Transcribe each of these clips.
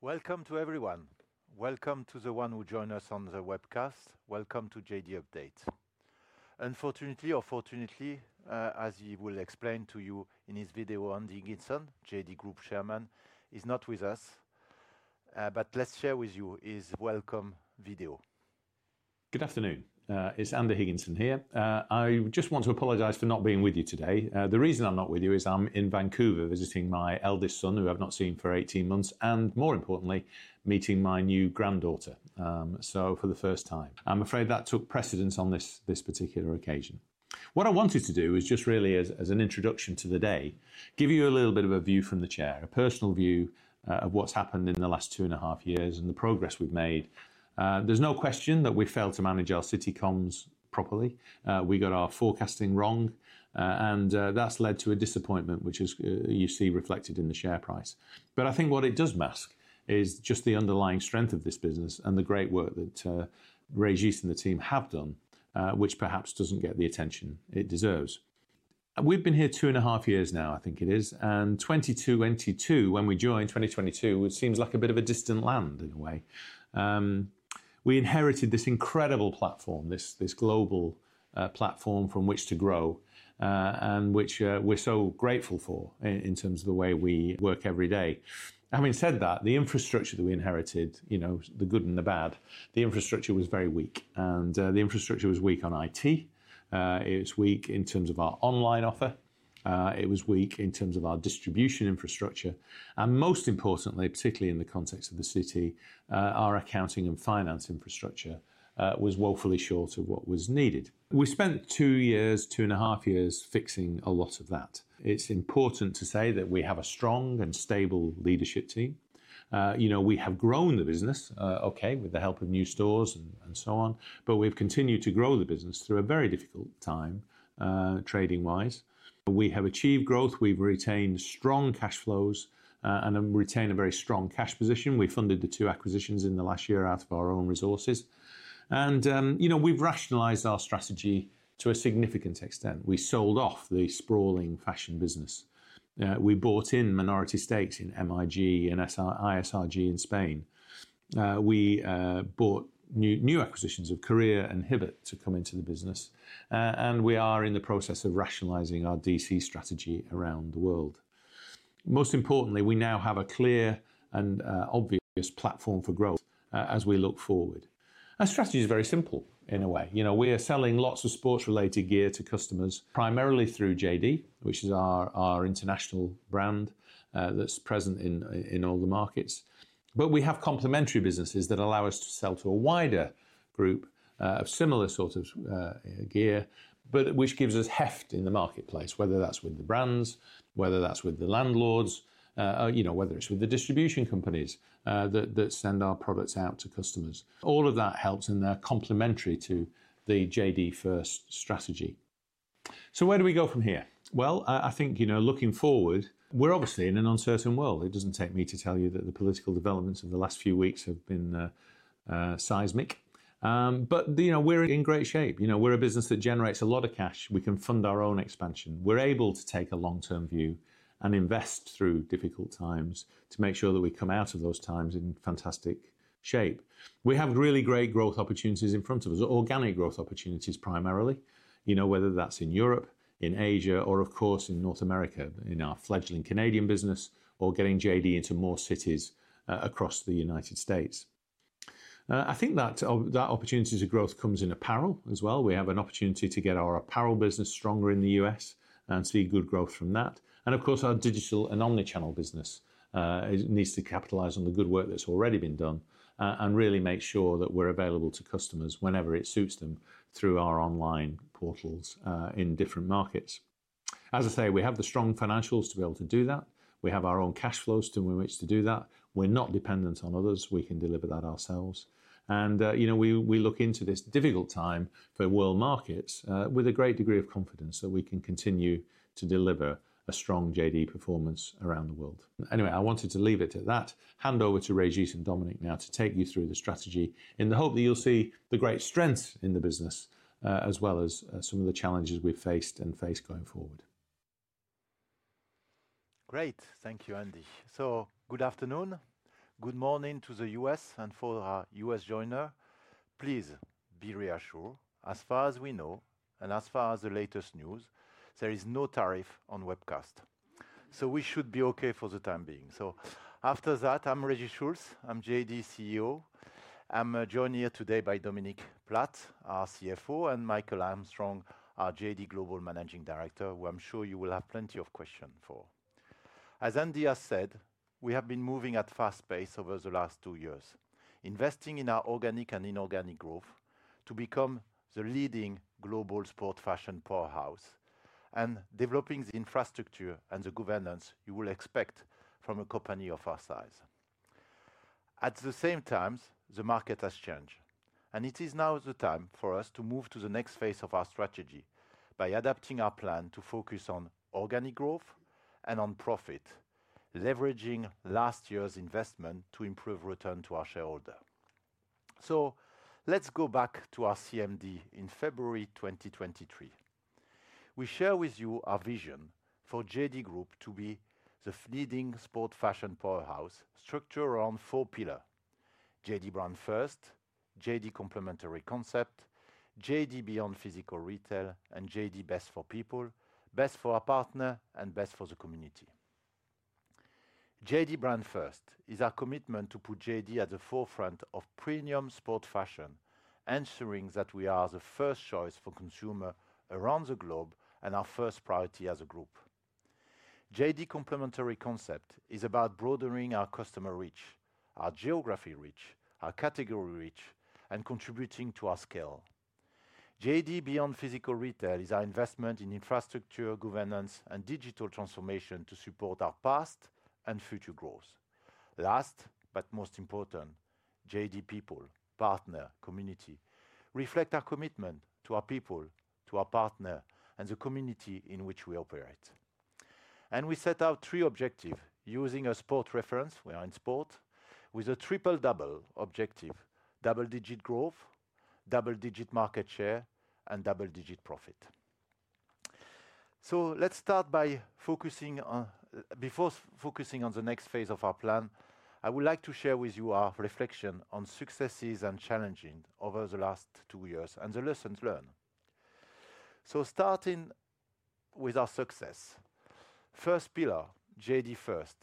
Welcome to everyone. Welcome to the one who joined us on the webcast. Welcome to JD Update. Unfortunately or fortunately, as we will explain to you in this video, Andy Higginson, JD Group Chairman, is not with us. Let's share with you his welcome video. Good afternoon. It's Andy Higginson here. I just want to apologize for not being with you today. The reason I'm not with you is I'm in Vancouver visiting my eldest son, who I've not seen for 18 months, and more importantly, meeting my new granddaughter for the first time. I'm afraid that took precedence on this particular occasion. What I wanted to do is just really, as an introduction to the day, give you a little bit of a view from the chair, a personal view of what's happened in the last two and a half years and the progress we've made. There's no question that we failed to manage our City Comms properly. We got our forecasting wrong. That has led to a disappointment, which you see reflected in the share price. I think what it does mask is just the underlying strength of this business and the great work that Régis and the team have done, which perhaps does not get the attention it deserves. We have been here two and a half years now, I think it is. And 2022, when we joined, 2022, it seems like a bit of a distant land in a way. We inherited this incredible platform, this global platform from which to grow and which we are so grateful for in terms of the way we work every day. Having said that, the infrastructure that we inherited, the good and the bad, the infrastructure was very weak. The infrastructure was weak on IT. It was weak in terms of our online offer. It was weak in terms of our distribution infrastructure. Most importantly, particularly in the context of the city, our accounting and finance infrastructure was woefully short of what was needed. We spent two years, two and a half years fixing a lot of that. It's important to say that we have a strong and stable leadership team. We have grown the business, OK, with the help of new stores and so on. We've continued to grow the business through a very difficult time trading-wise. We have achieved growth. We've retained strong cash flows and retained a very strong cash position. We funded the two acquisitions in the last year out of our own resources. We've rationalized our strategy to a significant extent. We sold off the sprawling fashion business. We bought in minority stakes in MIG and ISRG in Spain. We bought new acquisitions of Courir and Hibbett to come into the business. We are in the process of rationalizing our DC strategy around the world. Most importantly, we now have a clear and obvious platform for growth as we look forward. Our strategy is very simple in a way. We are selling lots of sports-related gear to customers primarily through JD, which is our international brand that is present in all the markets. We have complementary businesses that allow us to sell to a wider group of similar sort of gear, which gives us heft in the marketplace, whether that is with the brands, whether that is with the landlords, whether it is with the distribution companies that send our products out to customers. All of that helps and they are complementary to the JD-first strategy. Where do we go from here? I think looking forward, we are obviously in an uncertain world. It doesn't take me to tell you that the political developments of the last few weeks have been seismic. We are in great shape. We are a business that generates a lot of cash. We can fund our own expansion. We are able to take a long-term view and invest through difficult times to make sure that we come out of those times in fantastic shape. We have really great growth opportunities in front of us, organic growth opportunities primarily, whether that is in Europe, in Asia, or of course in North America in our fledgling Canadian business or getting JD into more cities across the United States. I think that opportunities of growth come in apparel as well. We have an opportunity to get our apparel business stronger in the U.S. and see good growth from that. Of course, our digital and omnichannel business needs to capitalize on the good work that's already been done and really make sure that we're available to customers whenever it suits them through our online portals in different markets. As I say, we have the strong financials to be able to do that. We have our own cash flows to which to do that. We're not dependent on others. We can deliver that ourselves. We look into this difficult time for world markets with a great degree of confidence that we can continue to deliver a strong JD performance around the world. I wanted to leave it at that. Hand over to Régis and Dominic now to take you through the strategy in the hope that you'll see the great strength in the business as well as some of the challenges we've faced and face going forward. Great. Thank you, Andy. Good afternoon. Good morning to the U.S. and for our U.S. joiner. Please be reassured, as far as we know and as far as the latest news, there is no tariff on webcast. We should be OK for the time being. After that, I'm Régis Schultz. I'm JD CEO. I'm joined here today by Dominic Platt, our CFO, and Michael Armstrong, our JD Global Managing Director, who I'm sure you will have plenty of questions for. As Andy has said, we have been moving at fast pace over the last two years, investing in our organic and inorganic growth to become the leading global sport fashion powerhouse and developing the infrastructure and the governance you will expect from a company of our size. At the same time, the market has changed. It is now the time for us to move to the next phase of our strategy by adapting our plan to focus on organic growth and on profit, leveraging last year's investment to improve return to our shareholder. Let's go back to our CMD in February 2023. We share with you our vision for JD Group to be the leading sport fashion powerhouse structured around four pillars: JD brand first, JD complementary concept, JD beyond physical retail, and JD best for people, best for our partner, and best for the community. JD brand first is our commitment to put JD at the forefront of premium sport fashion, ensuring that we are the first choice for consumers around the globe and our first priority as a group. JD complementary concept is about broadening our customer reach, our geography reach, our category reach, and contributing to our scale. JD beyond physical retail is our investment in infrastructure, governance, and digital transformation to support our past and future growth. Last but most important, JD people, partner, community reflect our commitment to our people, to our partner, and the community in which we operate. We set out three objectives using a sport reference, we are in sport, with a triple double objective: double-digit growth, double-digit market share, and double-digit profit. Let's start by focusing on, before focusing on the next phase of our plan, I would like to share with you our reflection on successes and challenges over the last two years and the lessons learned. Starting with our success, first pillar, JD first.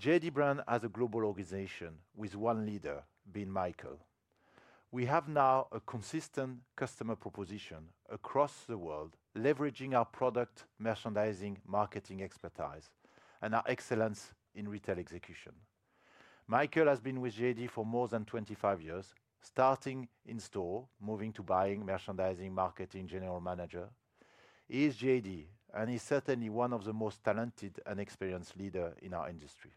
JD brand as a global organization with one leader being Michael. We have now a consistent customer proposition across the world, leveraging our product merchandising marketing expertise and our excellence in retail execution. Michael has been with JD for more than 25 years, starting in store, moving to buying, merchandising, marketing, general manager. He is JD, and he's certainly one of the most talented and experienced leaders in our industry.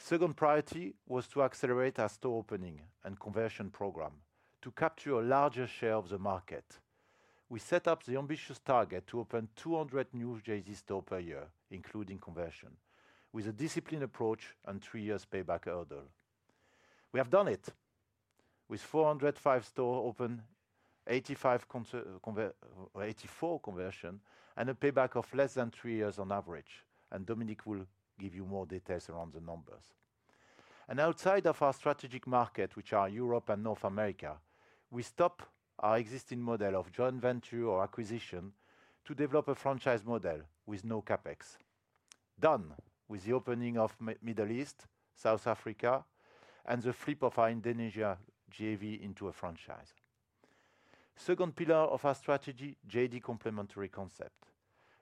The second priority was to accelerate our store opening and conversion program to capture a larger share of the market. We set up the ambitious target to open 200 new JD stores per year, including conversion, with a disciplined approach and a three-year payback hurdle. We have done it with 405 stores open, 84 conversions, and a payback of less than three years on average. Dominic will give you more details around the numbers. Outside of our strategic market, which are Europe and North America, we stopped our existing model of joint venture or acquisition to develop a franchise model with no CapEx, done with the opening of the Middle East, South Africa, and the flip of our Indonesia JV into a franchise. Second pillar of our strategy, JD complementary concept.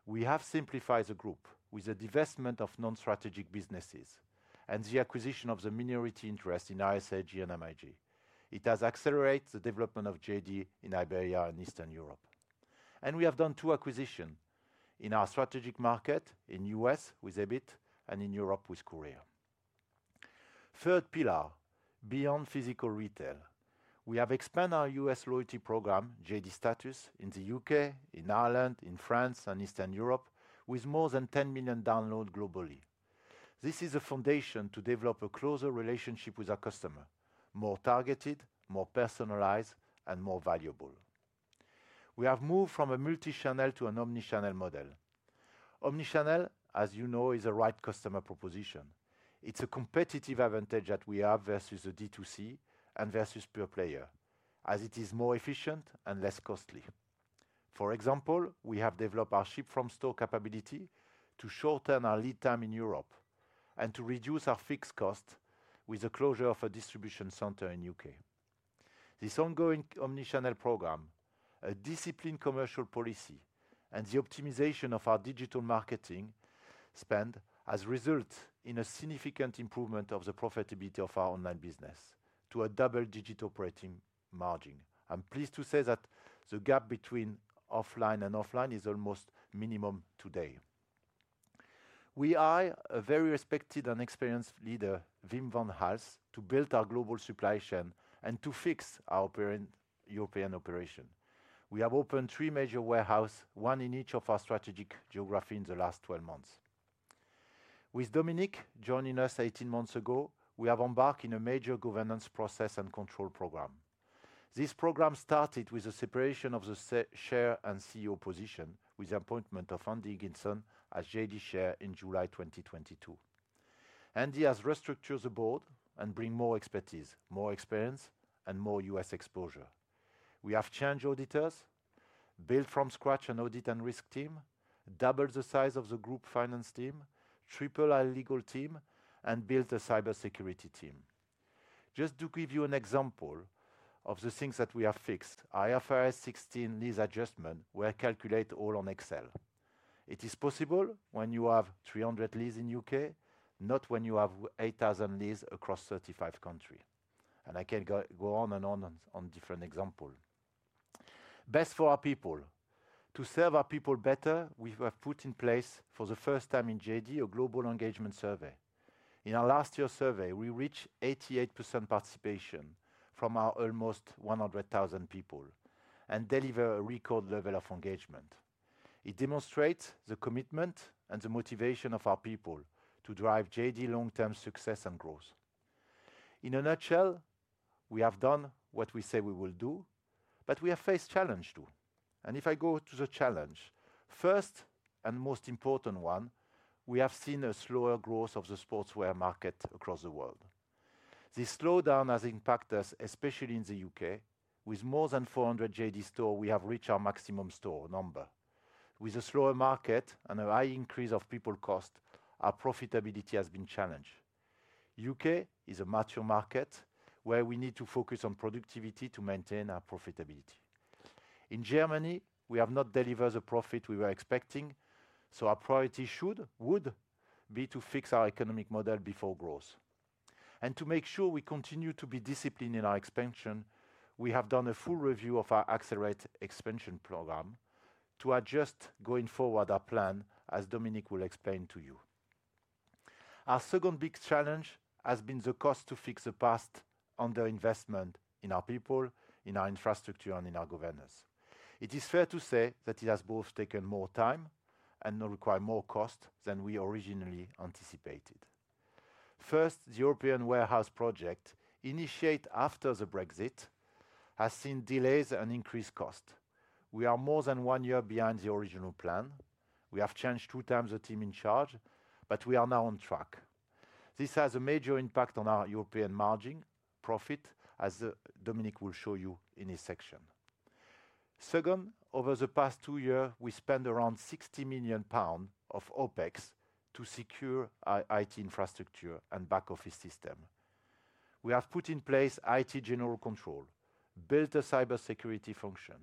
We have simplified the group with the divestment of non-strategic businesses and the acquisition of the minority interests in ISRG and MIG. It has accelerated the development of JD in Iberia and Eastern Europe. We have done two acquisitions in our strategic market in the U.S. with Hibbett and in Europe with Courir. Third pillar, beyond physical retail, we have expanded our U.S. loyalty program, JD Status, in the U.K., in Ireland, in France, and Eastern Europe with more than 10 million downloads globally. This is a foundation to develop a closer relationship with our customers, more targeted, more personalized, and more valuable. We have moved from a multi-channel to an omnichannel model. Omnichannel, as you know, is a right customer proposition. It's a competitive advantage that we have versus the D2C and versus pure player, as it is more efficient and less costly. For example, we have developed our ship-from-store capability to shorten our lead time in Europe and to reduce our fixed costs with the closure of a distribution center in the U.K. This ongoing omnichannel program, a disciplined commercial policy, and the optimization of our digital marketing spend has resulted in a significant improvement of the profitability of our online business to a double-digit operating margin. I'm pleased to say that the gap between offline and offline is almost minimum today. We hired a very respected and experienced leader, Wim Van Hals, to build our global supply chain and to fix our European operation. We have opened three major warehouses, one in each of our strategic geographies in the last 12 months. With Dominic joining us 18 months ago, we have embarked on a major governance process and control program. This program started with the separation of the chair and CEO position with the appointment of Andy Higginson as JD chair in July 2022. Andy has restructured the board and brought more expertise, more experience, and more U.S. exposure. We have changed auditors, built from scratch an audit and risk team, doubled the size of the group finance team, tripled our legal team, and built a cybersecurity team. Just to give you an example of the things that we have fixed, our IFRS 16 lease adjustment, we calculate all on Excel. It is possible when you have 300 leases in the U.K., not when you have 8,000 leases across 35 countries. I can go on and on on different examples. Best for our people. To serve our people better, we have put in place for the first time in JD a global engagement survey. In our last year survey, we reached 88% participation from our almost 100,000 people and delivered a record level of engagement. It demonstrates the commitment and the motivation of our people to drive JD long-term success and growth. In a nutshell, we have done what we say we will do, but we have faced challenges too. If I go to the challenge, first and most important one, we have seen a slower growth of the sportswear market across the world. This slowdown has impacted us, especially in the U.K. With more than 400 JD stores, we have reached our maximum store number. With a slower market and a high increase of people cost, our profitability has been challenged. The U.K. is a mature market where we need to focus on productivity to maintain our profitability. In Germany, we have not delivered the profit we were expecting. Our priority should, would, be to fix our economic model before growth. To make sure we continue to be disciplined in our expansion, we have done a full review of our accelerated expansion program to adjust going forward our plan, as Dominic will explain to you. Our second big challenge has been the cost to fix the past underinvestment in our people, in our infrastructure, and in our governance. It is fair to say that it has both taken more time and required more cost than we originally anticipated. First, the European warehouse project initiated after the Brexit has seen delays and increased costs. We are more than one year behind the original plan. We have changed two times the team in charge, but we are now on track. This has a major impact on our European margin profit, as Dominic will show you in his section. Second, over the past two years, we spent 60 million pounds of OpEx to secure our IT infrastructure and back office system. We have put in place IT general control, built a cybersecurity function,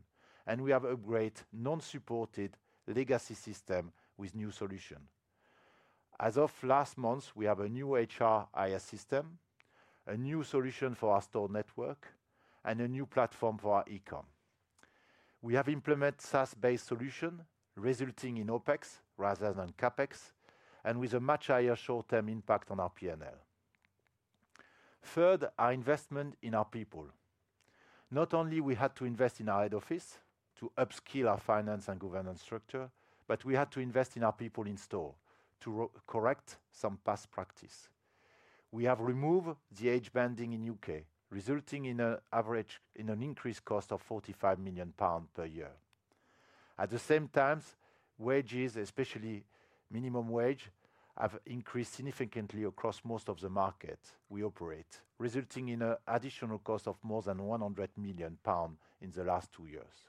and we have upgraded non-supported legacy systems with new solutions. As of last month, we have a new HRIS system, a new solution for our store network, and a new platform for our e-comm. We have implemented SaaS-based solutions, resulting in OpEx rather than CapEx, and with a much higher short-term impact on our P&L. Third, our investment in our people. Not only did we have to invest in our head office to upskill our finance and governance structure, but we had to invest in our people in store to correct some past practice. We have removed the age banding in the U.K., resulting in an increased cost of 45 million pounds per year. At the same time, wages, especially minimum wage, have increased significantly across most of the market we operate, resulting in an additional cost of more than 100 million pounds in the last two years.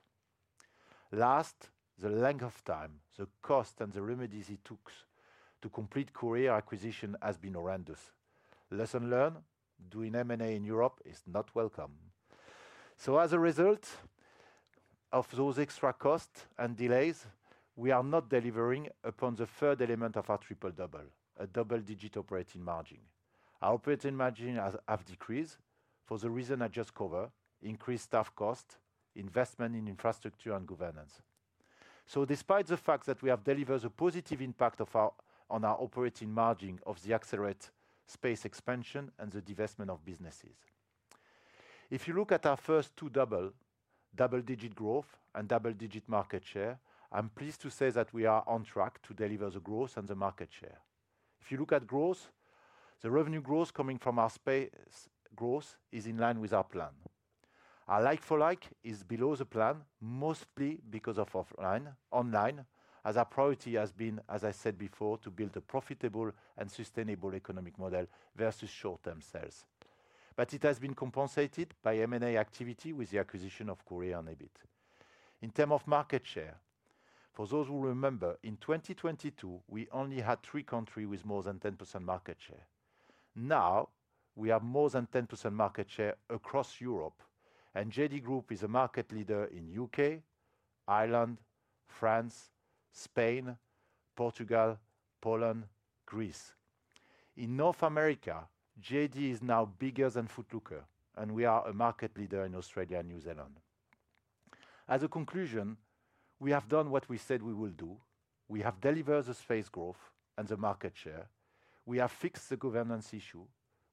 Last, the length of time, the cost, and the remedies it took to complete Courir acquisition have been horrendous. Lesson learned: doing M&A in Europe is not welcome. As a result of those extra costs and delays, we are not delivering upon the third element of our triple double, a double-digit operating margin. Our operating margins have decreased for the reasons I just covered: increased staff costs, investment in infrastructure, and governance. Despite the fact that we have delivered a positive impact on our operating margin from the accelerated space expansion and the divestment of businesses. If you look at our first two doubles, double-digit growth and double-digit market share, I'm pleased to say that we are on track to deliver the growth and the market share. If you look at growth, the revenue growth coming from our space growth is in line with our plan. Our like-for-like is below the plan, mostly because of online, as our priority has been, as I said before, to build a profitable and sustainable economic model versus short-term sales. It has been compensated by M&A activity with the acquisition of Courir and EBIT. In terms of market share, for those who remember, in 2022, we only had three countries with more than 10% market share. Now, we have more than 10% market share across Europe, and JD Group is a market leader in the U.K., Ireland, France, Spain, Portugal, Poland, Greece. In North America, JD is now bigger than Foot Locker, and we are a market leader in Australia and New Zealand. As a conclusion, we have done what we said we will do. We have delivered the space growth and the market share. We have fixed the governance issue.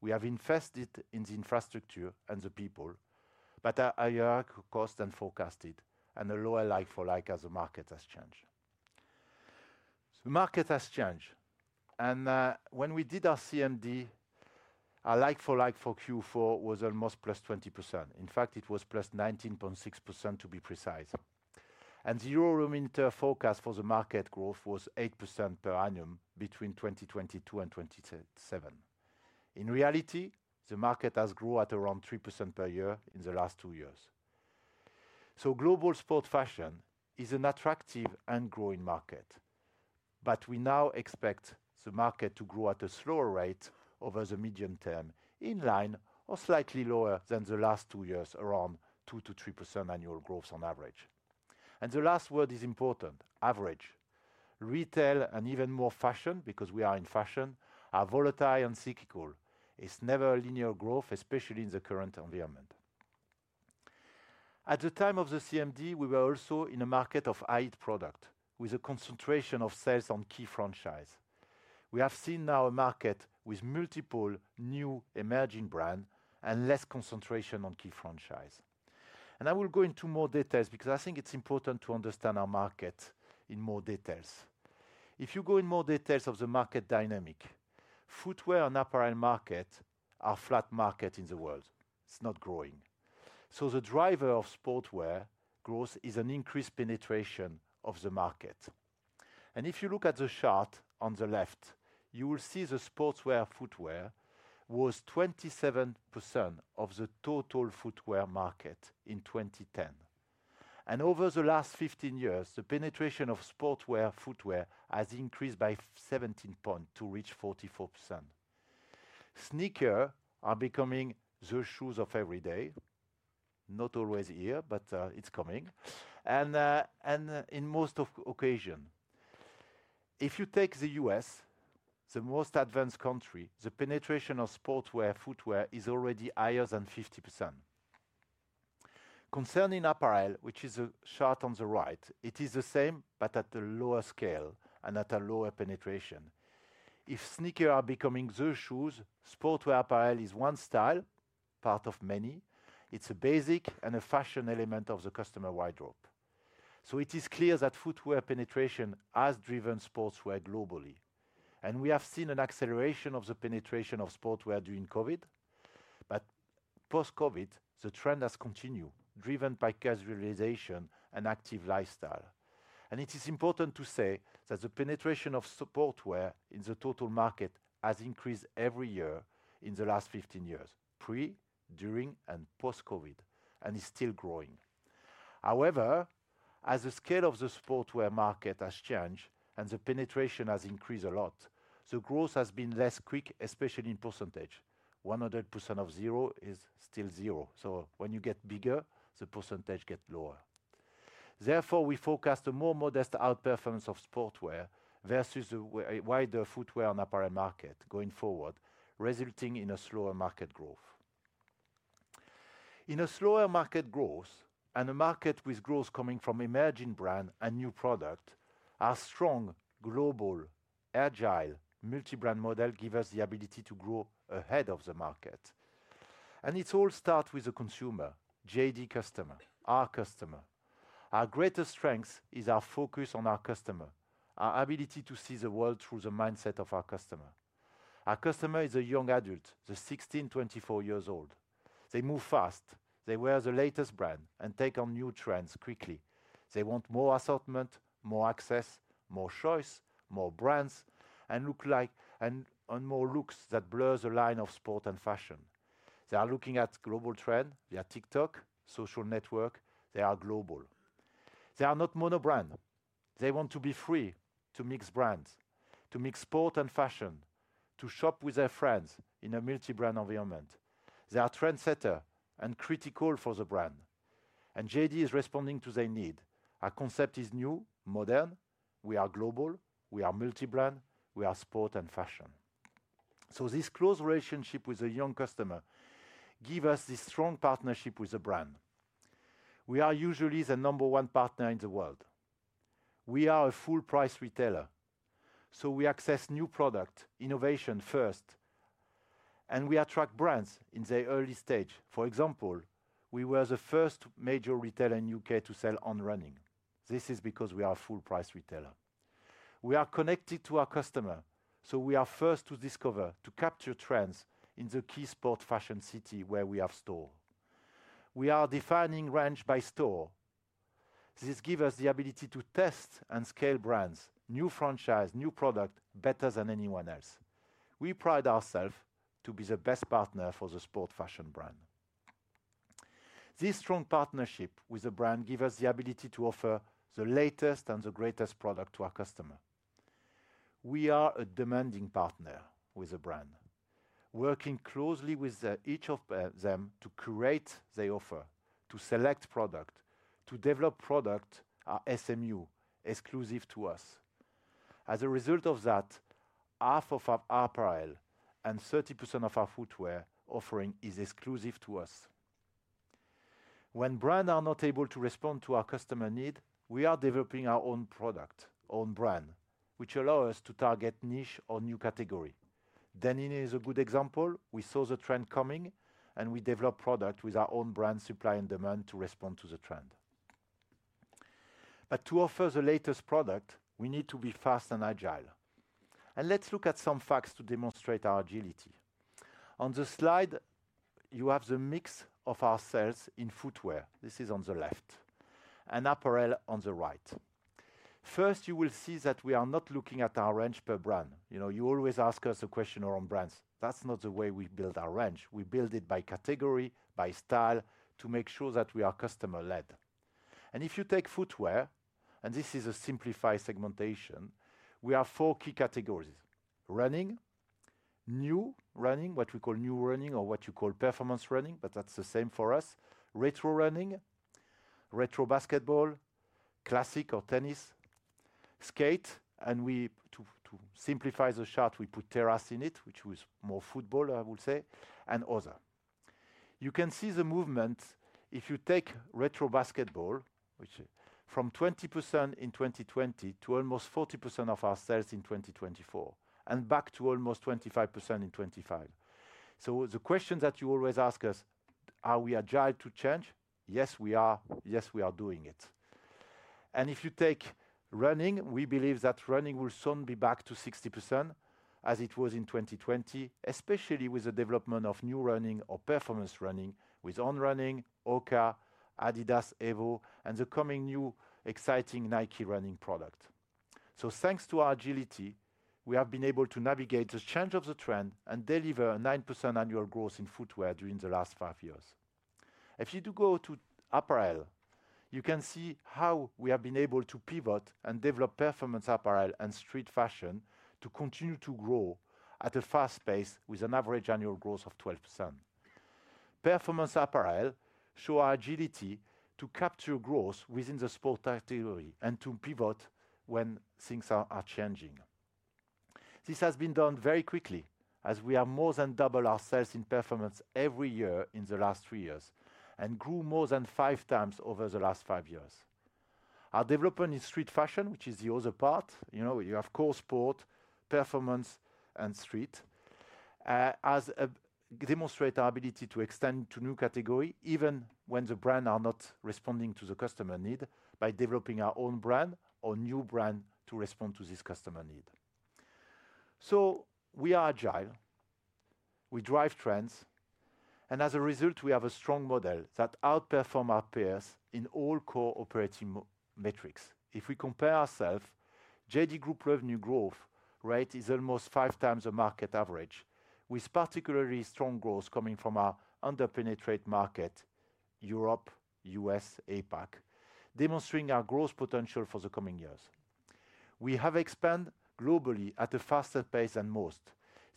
We have invested in the infrastructure and the people, but at a higher cost than forecasted and a lower like-for-like as the market has changed. The market has changed. When we did our CMD, our like-for-like for Q4 was almost plus 20%. In fact, it was plus 19.6% to be precise. The Euro-Minter forecast for the market growth was 8% per annum between 2022 and 2027. In reality, the market has grown at around 3% per year in the last two years. Global sports fashion is an attractive and growing market, but we now expect the market to grow at a slower rate over the medium term, in line or slightly lower than the last two years, around 2%-3% annual growth on average. The last word is important: average. Retail and even more fashion, because we are in fashion, are volatile and cyclical. It is never a linear growth, especially in the current environment. At the time of the CMD, we were also in a market of high-end products with a concentration of sales on key franchises. We have seen now a market with multiple new emerging brands and less concentration on key franchises. I will go into more details because I think it's important to understand our market in more details. If you go in more details of the market dynamic, footwear and apparel markets are flat markets in the world. It's not growing. The driver of sportswear growth is an increased penetration of the market. If you look at the chart on the left, you will see the sportswear footwear was 27% of the total footwear market in 2010. Over the last 15 years, the penetration of sportswear footwear has increased by 17 percentage points to reach 44%. Sneakers are becoming the shoes of every day, not always here, but it's coming, and in most occasions. If you take the U.S., the most advanced country, the penetration of sportswear footwear is already higher than 50%. Concerning apparel, which is the chart on the right, it is the same, but at a lower scale and at a lower penetration. If sneakers are becoming the shoes, sportswear apparel is one style, part of many. It is a basic and a fashion element of the customer wardrobe. It is clear that footwear penetration has driven sportswear globally. We have seen an acceleration of the penetration of sportswear during COVID. Post-COVID, the trend has continued, driven by casualization and active lifestyle. It is important to say that the penetration of sportswear in the total market has increased every year in the last 15 years, pre, during, and post-COVID, and is still growing. However, as the scale of the sportswear market has changed and the penetration has increased a lot, the growth has been less quick, especially in percentage. 100% of zero is still zero. When you get bigger, the percentage gets lower. Therefore, we forecast a more modest outperformance of sportswear versus the wider footwear and apparel market going forward, resulting in a slower market growth. In a slower market growth and a market with growth coming from emerging brands and new products, our strong, global, agile, multi-brand model gives us the ability to grow ahead of the market. It all starts with the consumer, JD customer, our customer. Our greatest strength is our focus on our customer, our ability to see the world through the mindset of our customer. Our customer is a young adult, 16 to 24 years old. They move fast. They wear the latest brands and take on new trends quickly. They want more assortment, more access, more choice, more brands, and more looks that blur the line of sport and fashion. They are looking at global trends via TikTok, social networks. They are global. They are not monobrands. They want to be free, to mix brands, to mix sport and fashion, to shop with their friends in a multi-brand environment. They are trendsetters and critical for the brand. JD is responding to their need. Our concept is new, modern. We are global. We are multi-brand. We are sport and fashion. This close relationship with the young customer gives us this strong partnership with the brand. We are usually the number one partner in the world. We are a full-price retailer. We access new products, innovation first, and we attract brands in their early stage. For example, we were the first major retailer in the U.K. to sell On. This is because we are a full-price retailer. We are connected to our customer. We are first to discover, to capture trends in the key sports fashion city where we have stores. We are defining range by store. This gives us the ability to test and scale brands, new franchises, new products better than anyone else. We pride ourselves on being the best partner for the sports fashion brand. This strong partnership with the brand gives us the ability to offer the latest and the greatest products to our customers. We are a demanding partner with the brand, working closely with each of them to curate their offer, to select products, to develop products, our SMU, exclusive to us. As a result of that, half of our apparel and 30% of our footwear offering is exclusive to us. When brands are not able to respond to our customer needs, we are developing our own product, own brand, which allows us to target niche or new categories. Denim is a good example. We saw the trend coming, and we develop products with our own brand Supply and Demand to respond to the trend. To offer the latest products, we need to be fast and agile. Let's look at some facts to demonstrate our agility. On the slide, you have the mix of our sales in footwear. This is on the left, and apparel on the right. First, you will see that we are not looking at our range per brand. You always ask us a question around brands. That's not the way we build our range. We build it by category, by style, to make sure that we are customer-led. If you take footwear, and this is a simplified segmentation, we have four key categories: running, new running, what we call new running, or what you call performance running, but that's the same for us, retro running, retro basketball, classic or tennis, skate. To simplify the chart, we put terrace in it, which was more football, I would say, and other. You can see the movement if you take retro basketball, which is from 20% in 2020 to almost 40% of our sales in 2024, and back to almost 25% in 2025. The question that you always ask us, are we agile to change? Yes, we are. Yes, we are doing it. If you take running, we believe that running will soon be back to 60%, as it was in 2020, especially with the development of new running or performance running with On, HOKA, Adidas, Evo, and the coming new exciting Nike running product. Thanks to our agility, we have been able to navigate the change of the trend and deliver a 9% annual growth in footwear during the last five years. If you go to apparel, you can see how we have been able to pivot and develop performance apparel and street fashion to continue to grow at a fast pace with an average annual growth of 12%. Performance apparel shows our agility to capture growth within the sports category and to pivot when things are changing. This has been done very quickly, as we have more than doubled our sales in performance every year in the last three years and grew more than five times over the last five years. Our development in street fashion, which is the other part, you have core sport, performance, and street, has demonstrated our ability to extend to new categories even when the brands are not responding to the customer need by developing our own brand or new brand to respond to this customer need. We are agile. We drive trends. As a result, we have a strong model that outperforms our peers in all core operating metrics. If we compare ourselves, JD Group revenue growth rate is almost five times the market average, with particularly strong growth coming from our under-penetrated market, Europe, U.S., APAC, demonstrating our growth potential for the coming years. We have expanded globally at a faster pace than most.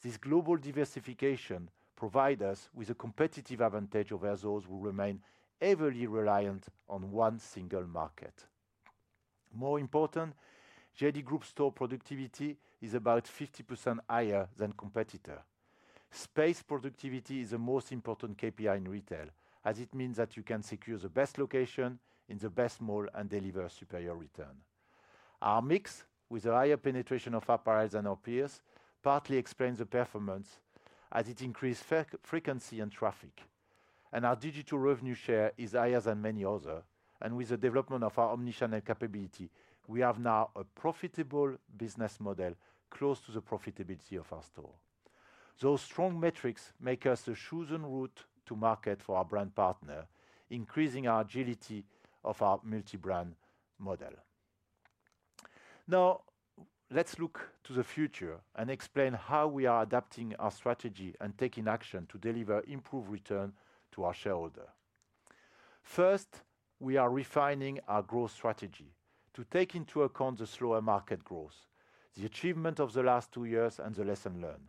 This global diversification provides us with a competitive advantage over those who remain heavily reliant on one single market. More important, JD Group store productivity is about 50% higher than competitors. Space productivity is the most important KPI in retail, as it means that you can secure the best location in the best mall and deliver superior return. Our mix, with a higher penetration of apparel than our peers, partly explains the performance, as it increases frequency and traffic. Our digital revenue share is higher than many others. With the development of our omnichannel capability, we have now a profitable business model close to the profitability of our store. Those strong metrics make us a chosen route to market for our brand partner, increasing our agility of our multi-brand model. Now, let's look to the future and explain how we are adapting our strategy and taking action to deliver improved returns to our shareholders. First, we are refining our growth strategy to take into account the slower market growth, the achievements of the last two years, and the lessons learned.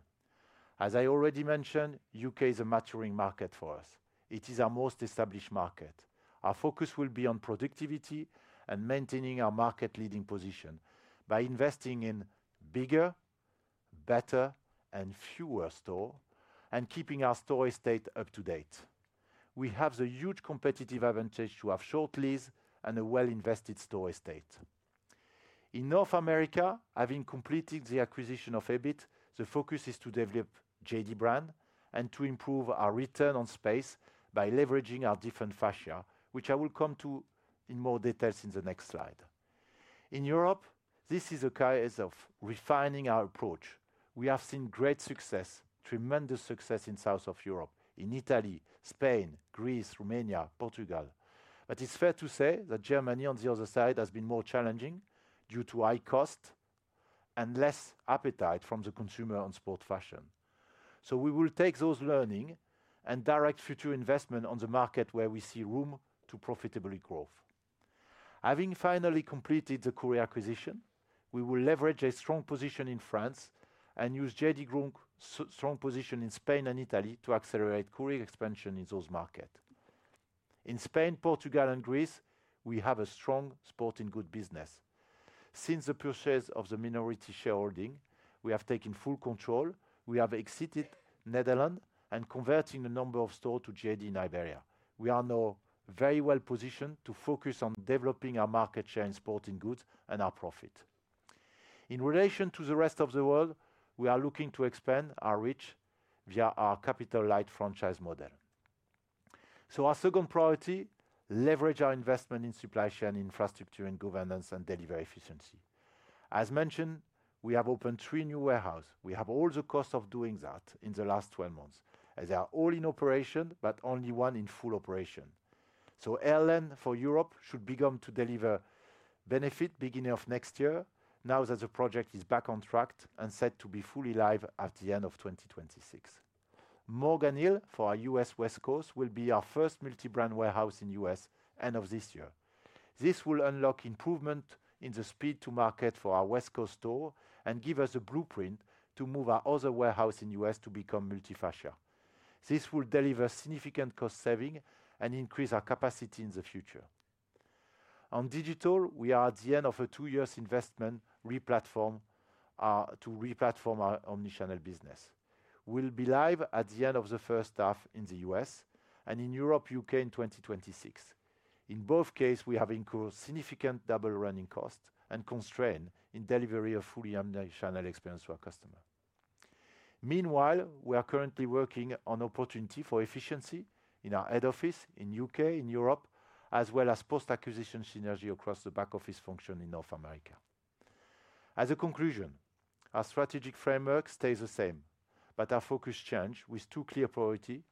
As I already mentioned, the U.K. is a maturing market for us. It is our most established market. Our focus will be on productivity and maintaining our market-leading position by investing in bigger, better, and fewer stores and keeping our store estate up to date. We have the huge competitive advantage to have short leads and a well-invested store estate. In North America, having completed the acquisition of Hibbett, the focus is to develop the JD brand and to improve our return on space by leveraging our different fascia, which I will come to in more detail in the next slide. In Europe, this is a case of refining our approach. We have seen great success, tremendous success in the south of Europe, in Italy, Spain, Greece, Romania, Portugal. It is fair to say that Germany, on the other side, has been more challenging due to high costs and less appetite from the consumer on sports fashion. We will take those learnings and direct future investment on the market where we see room to profitably grow. Having finally completed the Courir acquisition, we will leverage a strong position in France and use JD Group's strong position in Spain and Italy to accelerate Courir expansion in those markets. In Spain, Portugal, and Greece, we have a strong sporting goods business. Since the purchase of the minority shareholding, we have taken full control. We have exited the Netherlands and converted a number of stores to JD in Iberia. We are now very well positioned to focus on developing our market share in sporting goods and our profit. In relation to the rest of the world, we are looking to expand our reach via our capital-light franchise model. Our second priority is to leverage our investment in supply chain infrastructure and governance and deliver efficiency. As mentioned, we have opened three new warehouses. We have all the costs of doing that in the last 12 months. They are all in operation, but only one in full operation. Airline for Europe should begin to deliver benefits beginning of next year, now that the project is back on track and set to be fully live at the end of 2026. Morgan Hill for our U.S. West Coast will be our first multi-brand warehouse in the U.S. at the end of this year. This will unlock improvements in the speed to market for our West Coast store and give us a blueprint to move our other warehouses in the U.S. to become multi-fascia. This will deliver significant cost savings and increase our capacity in the future. On digital, we are at the end of a two-year investment to replatform our omnichannel business. We'll be live at the end of the first half in the U..S and in Europe and the U.K. in 2026. In both cases, we have incurred significant double running costs and constraints in delivering a fully omnichannel experience to our customers. Meanwhile, we are currently working on opportunities for efficiency in our head office in the U.K. and Europe, as well as post-acquisition synergy across the back office function in North America. As a conclusion, our strategic framework stays the same, but our focus changes with two clear priorities: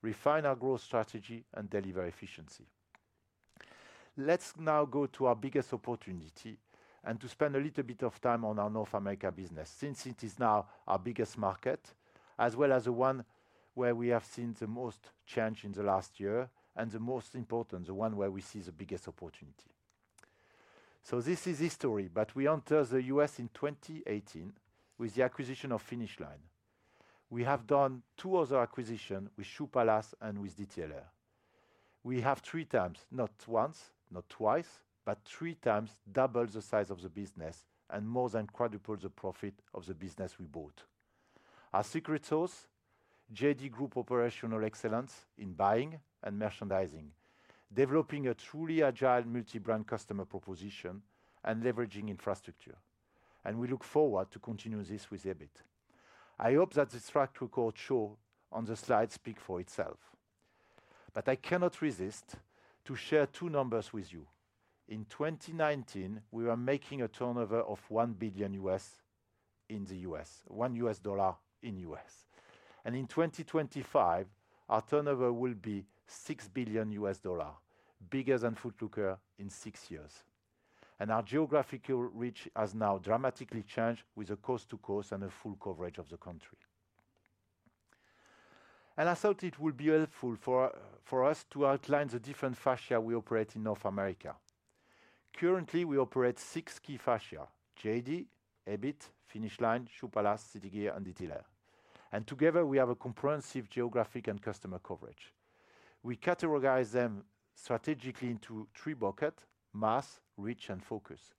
refine our growth strategy and deliver efficiency. Let's now go to our biggest opportunity and spend a little bit of time on our North America business, since it is now our biggest market, as well as the one where we have seen the most change in the last year and the most important, the one where we see the biggest opportunity. This is history, but we entered the U.S. in 2018 with the acquisition of Finish Line. We have done two other acquisitions with Shoe Palace and with DTLR. We have three times, not once, not twice, but three times doubled the size of the business and more than quadrupled the profit of the business we bought. Our secret sauce is JD Group operational excellence in buying and merchandising, developing a truly agile multi-brand customer proposition and leveraging infrastructure. We look forward to continuing this with EBIT. I hope that the structural short show on the slides speaks for itself. I cannot resist sharing two numbers with you. In 2019, we were making a turnover of $1 billion in the U.S., and in 2025, our turnover will be $6 billion, bigger than Foot Locker in six years. Our geographical reach has now dramatically changed with a coast-to-coast and a full coverage of the country. I thought it would be helpful for us to outline the different fascia we operate in North America. Currently, we operate six key fascia: JD, Hibbett, Finish Line, Shoe Palace, DTLR, and Citi Trends. Together, we have a comprehensive geographic and customer coverage. We categorize them strategically into three buckets: mass, reach, and focus.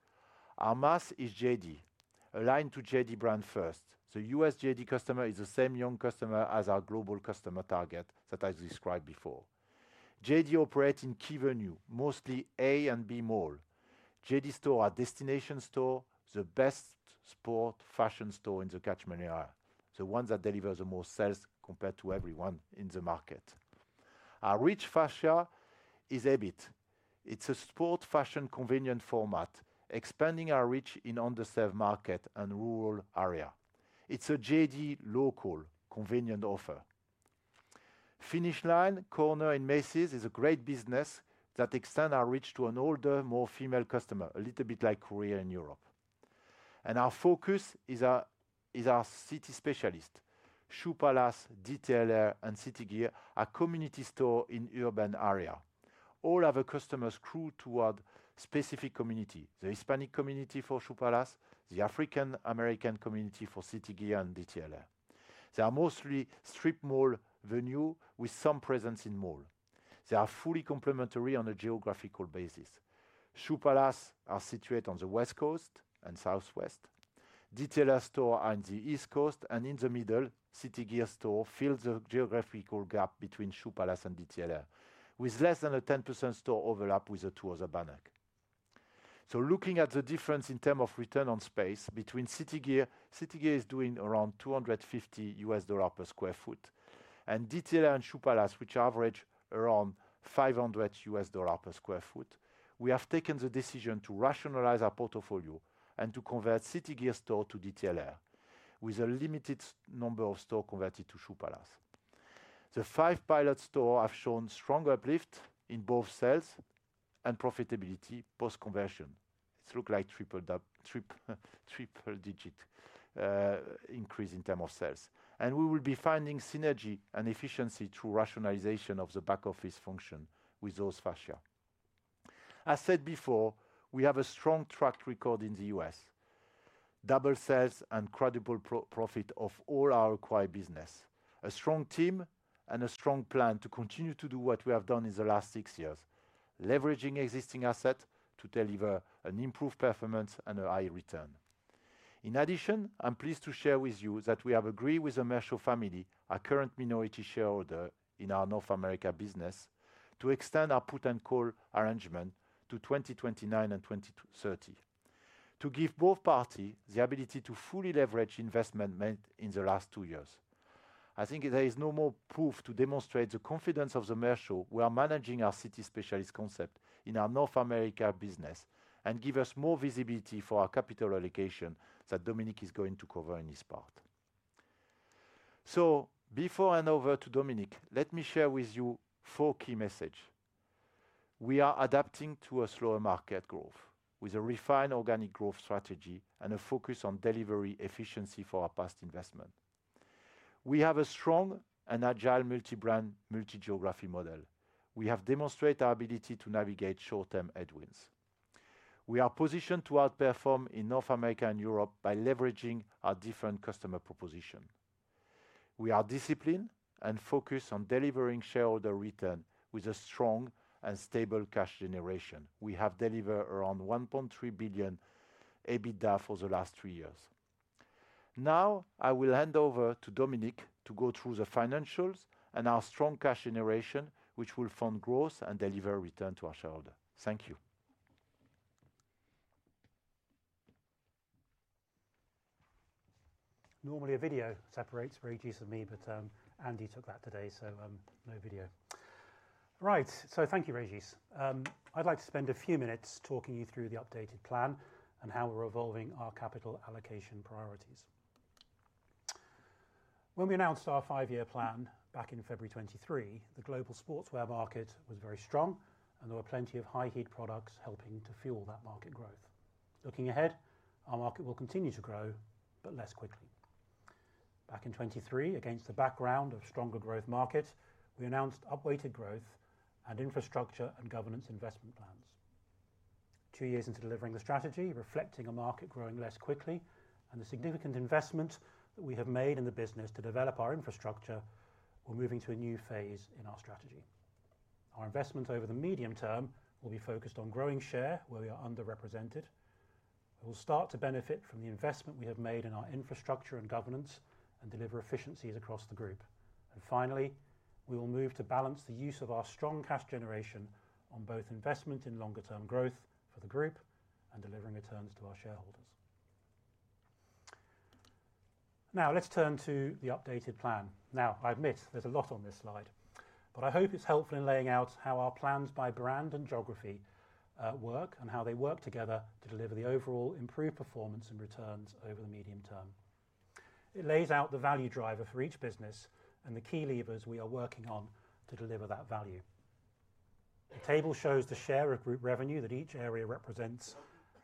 Our mass is JD, aligned to JD Brand First. The U.S. JD customer is the same young customer as our global customer target that I described before. JD operates in key venues, mostly A and B malls. JD Store is our destination store, the best sports fashion store in the catchment area, the one that delivers the most sales compared to everyone in the market. Our reach fascia is Hibbett. It is a sports fashion convenient format, expanding our reach in underserved markets and rural areas. It is a JD local convenient offer. Finish Line, corner in Macy's, is a great business that extends our reach to an older, more female customer, a little bit like Courir and Europe. Our focus is our city specialist: Shoe Palace, DTLR, and Hibbett, a community store in the urban area. All have a customer skewed toward a specific community: the Hispanic community for Shoe Palace, the African American community for Hibbett and DTLR. They are mostly strip mall venues with some presence in malls. They are fully complementary on a geographical basis. Shoe Palace is situated on the West Coast and Southwest. DTLR store is on the East Coast, and in the middle, Hibbett store fills the geographical gap between Shoe Palace and DTLR, with less than a 10% store overlap with the two other brands. Looking at the difference in terms of return on space between Citygear, Citygear is doing around $250 per sq ft, and DTLR and Shoe Palace, which average around $500 per sq ft, we have taken the decision to rationalize our portfolio and to convert Citygear store to DTLR, with a limited number of stores converted to Shoe Palace. The five pilot stores have shown strong uplift in both sales and profitability post-conversion. It looks like a triple-digit increase in terms of sales. We will be finding synergy and efficiency through rationalization of the back office function with those fascia. As said before, we have a strong track record in the U.S., double sales, and credible profit of all our acquired business, a strong team, and a strong plan to continue to do what we have done in the last six years, leveraging existing assets to deliver an improved performance and a high return. In addition, I'm pleased to share with you that we have agreed with the Merceau family, our current minority shareholder in our North America business, to extend our put and call arrangement to 2029 and 2030, to give both parties the ability to fully leverage investment made in the last two years. I think there is no more proof to demonstrate the confidence of the Merceau in managing our city specialist concept in our North America business and give us more visibility for our capital allocation that Dominic is going to cover in his part. Before I hand over to Dominic, let me share with you four key messages. We are adapting to a slower market growth with a refined organic growth strategy and a focus on delivery efficiency for our past investment. We have a strong and agile multi-brand, multi-geography model. We have demonstrated our ability to navigate short-term headwinds. We are positioned to outperform in North America and Europe by leveraging our different customer propositions. We are disciplined and focused on delivering shareholder returns with a strong and stable cash generation. We have delivered around 1.3 billion EBITDA for the last three years. Now, I will hand over to Dominic to go through the financials and our strong cash generation, which will fund growth and deliver returns to our shareholders. Thank you. Normally, a video separates Régis and me, but Andy took that today, so no video. Right, thank you, Régis. I'd like to spend a few minutes talking you through the updated plan and how we're evolving our capital allocation priorities. When we announced our five-year plan back in February 2023, the global sportswear market was very strong, and there were plenty of high-heat products helping to fuel that market growth. Looking ahead, our market will continue to grow, but less quickly. Back in 2023, against the background of a stronger growth market, we announced upweighted growth and infrastructure and governance investment plans. Two years into delivering the strategy, reflecting a market growing less quickly and the significant investment that we have made in the business to develop our infrastructure, we're moving to a new phase in our strategy. Our investment over the medium term will be focused on growing share, where we are underrepresented. We will start to benefit from the investment we have made in our infrastructure and governance and deliver efficiencies across the group. Finally, we will move to balance the use of our strong cash generation on both investment in longer-term growth for the group and delivering returns to our shareholders. Now, let's turn to the updated plan. I admit there's a lot on this slide, but I hope it's helpful in laying out how our plans by brand and geography work and how they work together to deliver the overall improved performance and returns over the medium term. It lays out the value driver for each business and the key levers we are working on to deliver that value. The table shows the share of group revenue that each area represents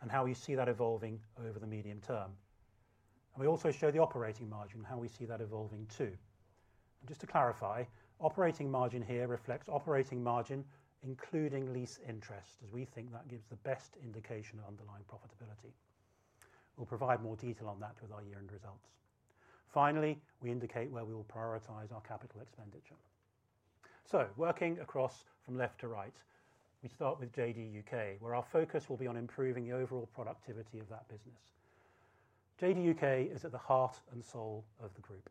and how we see that evolving over the medium term. We also show the operating margin and how we see that evolving too. Just to clarify, operating margin here reflects operating margin including lease interest, as we think that gives the best indication of underlying profitability. We will provide more detail on that with our year-end results. Finally, we indicate where we will prioritize our capital expenditure. Working across from left to right, we start with JD U.K., where our focus will be on improving the overall productivity of that business. JD U.K. is at the heart and soul of the group.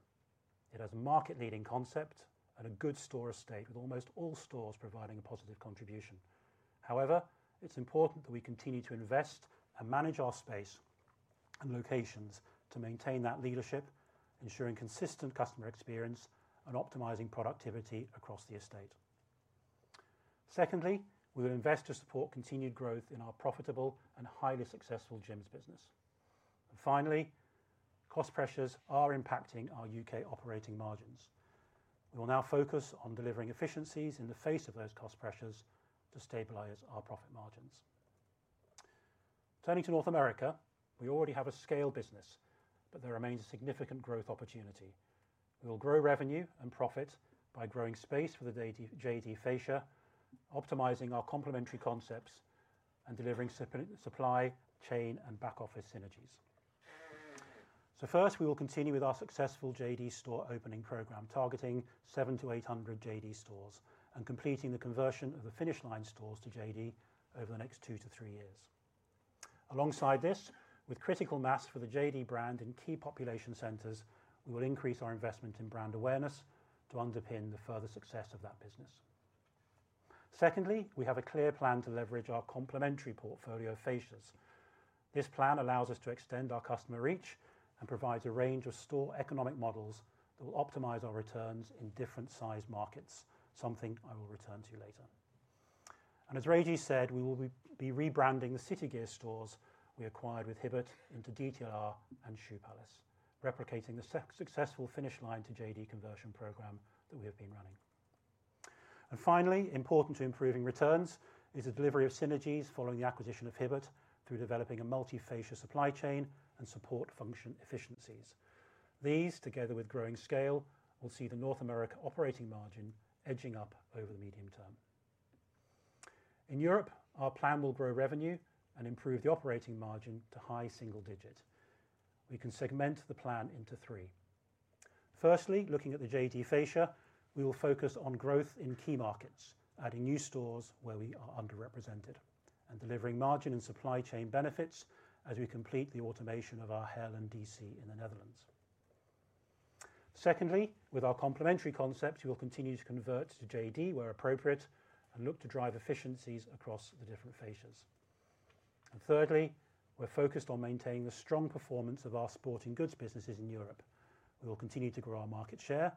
It has a market-leading concept and a good store estate, with almost all stores providing a positive contribution. However, it is important that we continue to invest and manage our space and locations to maintain that leadership, ensuring consistent customer experience and optimizing productivity across the estate. Secondly, we will invest to support continued growth in our profitable and highly successful gyms business. Finally, cost pressures are impacting our U.K. operating margins. We will now focus on delivering efficiencies in the face of those cost pressures to stabilize our profit margins. Turning to North America, we already have a scale business, but there remains a significant growth opportunity. We will grow revenue and profit by growing space for the JD fascia, optimizing our complementary concepts, and delivering supply chain and back office synergies. First, we will continue with our successful JD store opening program, targeting 700-800 JD stores and completing the conversion of the Finish Line stores to JD over the next two to three years. Alongside this, with critical mass for the JD brand in key population centers, we will increase our investment in brand awareness to underpin the further success of that business. Secondly, we have a clear plan to leverage our complementary portfolio of fascia. This plan allows us to extend our customer reach and provides a range of store economic models that will optimize our returns in different size markets, something I will return to later. As Régis said, we will be rebranding the Citygear stores we acquired with Hibbett into DTLR and Shoe Palace, replicating the successful Finish Line to JD conversion program that we have been running. Finally, important to improving returns is the delivery of synergies following the acquisition of Hibbett through developing a multi-fascia supply chain and support function efficiencies. These, together with growing scale, will see the North America operating margin edging up over the medium term. In Europe, our plan will grow revenue and improve the operating margin to high single digits. We can segment the plan into three. Firstly, looking at the JD fascia, we will focus on growth in key markets, adding new stores where we are underrepresented and delivering margin and supply chain benefits as we complete the automation of our Haarlem DC in the Netherlands. Secondly, with our complementary concepts, we will continue to convert to JD where appropriate and look to drive efficiencies across the different fascia. Thirdly, we're focused on maintaining the strong performance of our sporting goods businesses in Europe. We will continue to grow our market share,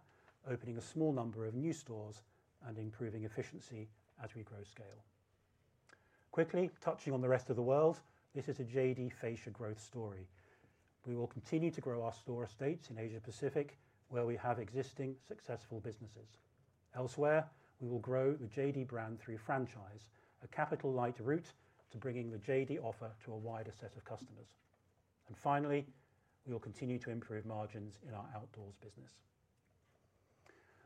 opening a small number of new stores and improving efficiency as we grow scale. Quickly touching on the rest of the world, this is a JD fascia growth story. We will continue to grow our store estates in Asia Pacific, where we have existing successful businesses. Elsewhere, we will grow the JD brand through franchise, a capital-light route to bringing the JD offer to a wider set of customers. Finally, we will continue to improve margins in our outdoors business.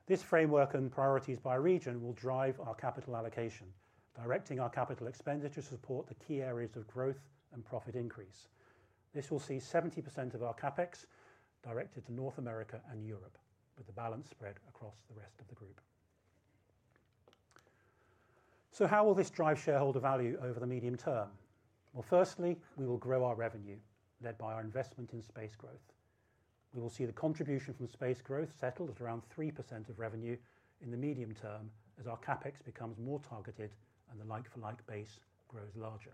This framework and priorities by region will drive our capital allocation, directing our capital expenditure to support the key areas of growth and profit increase. This will see 70% of our CapEx directed to North America and Europe, with the balance spread across the rest of the group. How will this drive shareholder value over the medium term? Firstly, we will grow our revenue, led by our investment in space growth. We will see the contribution from space growth settled at around 3% of revenue in the medium term as our CapEx becomes more targeted and the like-for-like base grows larger.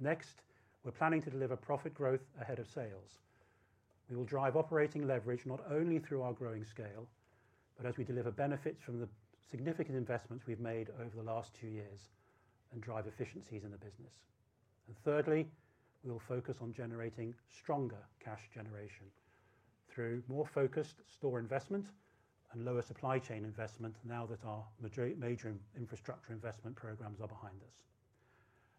Next, we're planning to deliver profit growth ahead of sales. We will drive operating leverage not only through our growing scale, but as we deliver benefits from the significant investments we've made over the last two years and drive efficiencies in the business. Thirdly, we will focus on generating stronger cash generation through more focused store investment and lower supply chain investment now that our major infrastructure investment programs are behind us,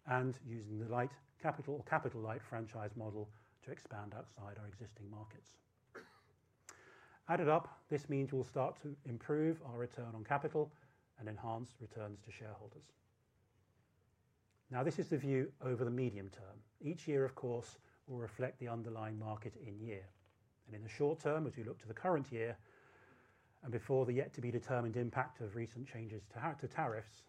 and using the capital-light franchise model to expand outside our existing markets. Added up, this means we'll start to improve our return on capital and enhance returns to shareholders. Now, this is the view over the medium term. Each year, of course, will reflect the underlying market in year. In the short term, as we look to the current year and before the yet-to-be-determined impact of recent changes to tariffs,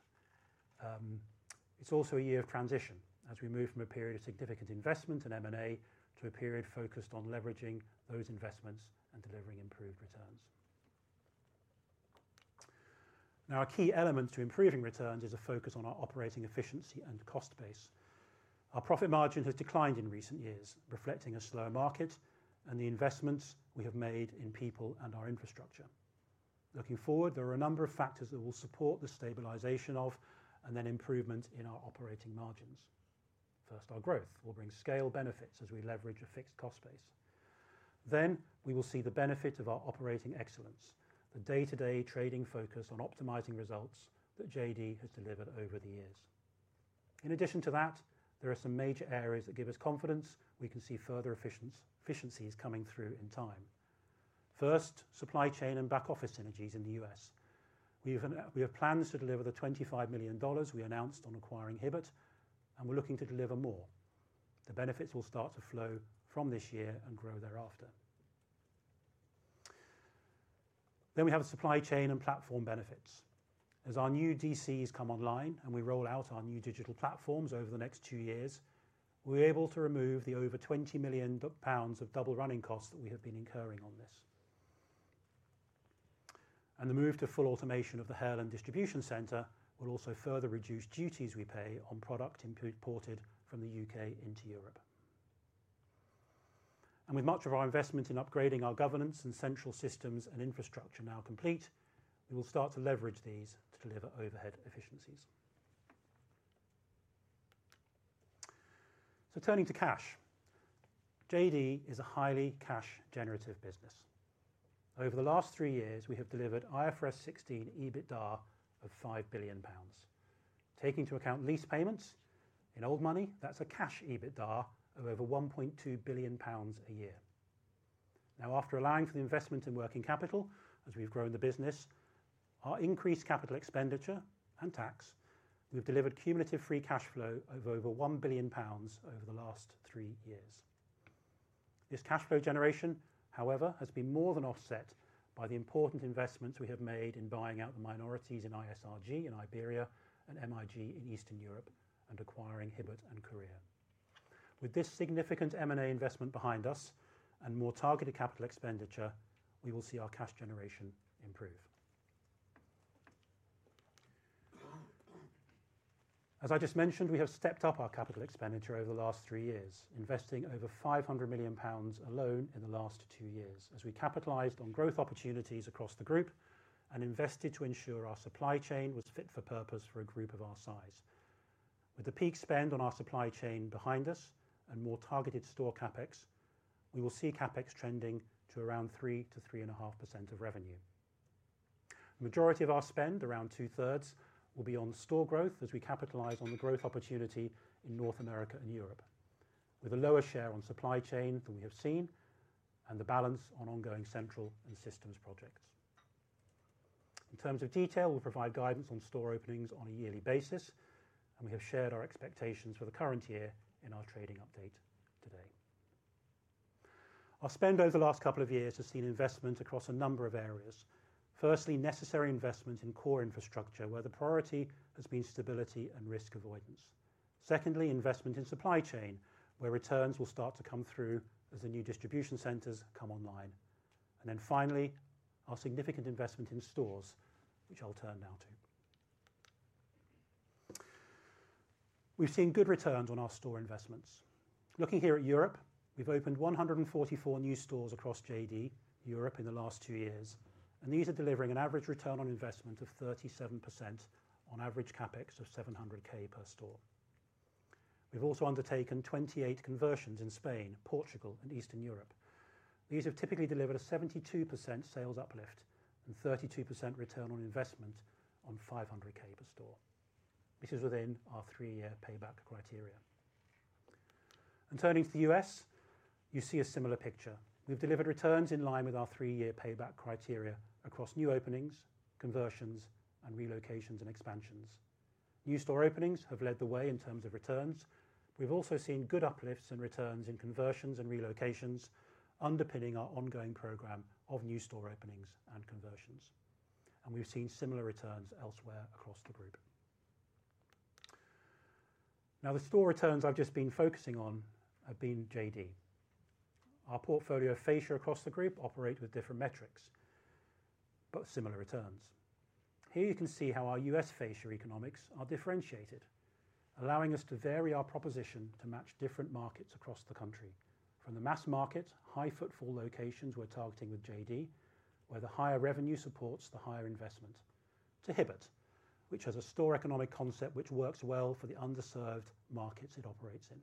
it is also a year of transition as we move from a period of significant investment in M&A to a period focused on leveraging those investments and delivering improved returns. Now, a key element to improving returns is a focus on our operating efficiency and cost base. Our profit margin has declined in recent years, reflecting a slower market and the investments we have made in people and our infrastructure. Looking forward, there are a number of factors that will support the stabilization of and then improvement in our operating margins. First, our growth will bring scale benefits as we leverage a fixed cost base. We will see the benefit of our operating excellence, the day-to-day trading focus on optimizing results that JD has delivered over the years. In addition to that, there are some major areas that give us confidence we can see further efficiencies coming through in time. First, supply chain and back office synergies in the U.S. We have plans to deliver the $25 million we announced on acquiring Hibbett, and we're looking to deliver more. The benefits will start to flow from this year and grow thereafter. We have supply chain and platform benefits. As our new DCs come online and we roll out our new digital platforms over the next two years, we're able to remove the over 20 million pounds of double running costs that we have been incurring on this. The move to full automation of the Haarlem Distribution Centre will also further reduce duties we pay on product imported from the U.K. into Europe. With much of our investment in upgrading our governance and central systems and infrastructure now complete, we will start to leverage these to deliver overhead efficiencies. Turning to cash, JD is a highly cash-generative business. Over the last three years, we have delivered IFRS 16 EBITDA of 5 billion pounds. Taking into account lease payments in old money, that's a cash EBITDA of over 1.2 billion pounds a year. After allowing for the investment in working capital as we've grown the business, our increased capital expenditure and tax, we've delivered cumulative free cash flow of over 1 billion pounds over the last three years. This cash flow generation, however, has been more than offset by the important investments we have made in buying out the minorities in ISRG in Iberia and MIG in Eastern Europe and acquiring Hibbett and Courir. With this significant M&A investment behind us and more targeted capital expenditure, we will see our cash generation improve. As I just mentioned, we have stepped up our capital expenditure over the last three years, investing over 500 million pounds alone in the last two years as we capitalized on growth opportunities across the group and invested to ensure our supply chain was fit for purpose for a group of our size. With the peak spend on our supply chain behind us and more targeted store CapEx, we will see CapEx trending to around 3%-3.5% of revenue. The majority of our spend, around two-thirds, will be on store growth as we capitalize on the growth opportunity in North America and Europe, with a lower share on supply chain than we have seen and the balance on ongoing central and systems projects. In terms of detail, we will provide guidance on store openings on a yearly basis, and we have shared our expectations for the current year in our trading update today. Our spend over the last couple of years has seen investment across a number of areas. Firstly, necessary investment in core infrastructure, where the priority has been stability and risk avoidance. Secondly, investment in supply chain, where returns will start to come through as the new distribution centers come online. Finally, our significant investment in stores, which I will turn now to. We have seen good returns on our store investments. Looking here at Europe, we've opened 144 new stores across JD Europe in the last two years, and these are delivering an average return on investment of 37% on average CapEx of 700,000 per store. We've also undertaken 28 conversions in Spain, Portugal, and Eastern Europe. These have typically delivered a 72% sales uplift and 32% return on investment on 500,000 per store. This is within our three-year payback criteria. Turning to the U.S., you see a similar picture. We've delivered returns in line with our three-year payback criteria across new openings, conversions, and relocations and expansions. New store openings have led the way in terms of returns. We've also seen good uplifts and returns in conversions and relocations, underpinning our ongoing program of new store openings and conversions. We've seen similar returns elsewhere across the group. Now, the store returns I've just been focusing on have been JD. Our portfolio fascia across the group operates with different metrics, but similar returns. Here you can see how our U.S. fascia economics are differentiated, allowing us to vary our proposition to match different markets across the country. From the mass market, high-footfall locations we're targeting with JD, where the higher revenue supports the higher investment, to Hibbett, which has a store economic concept which works well for the underserved markets it operates in.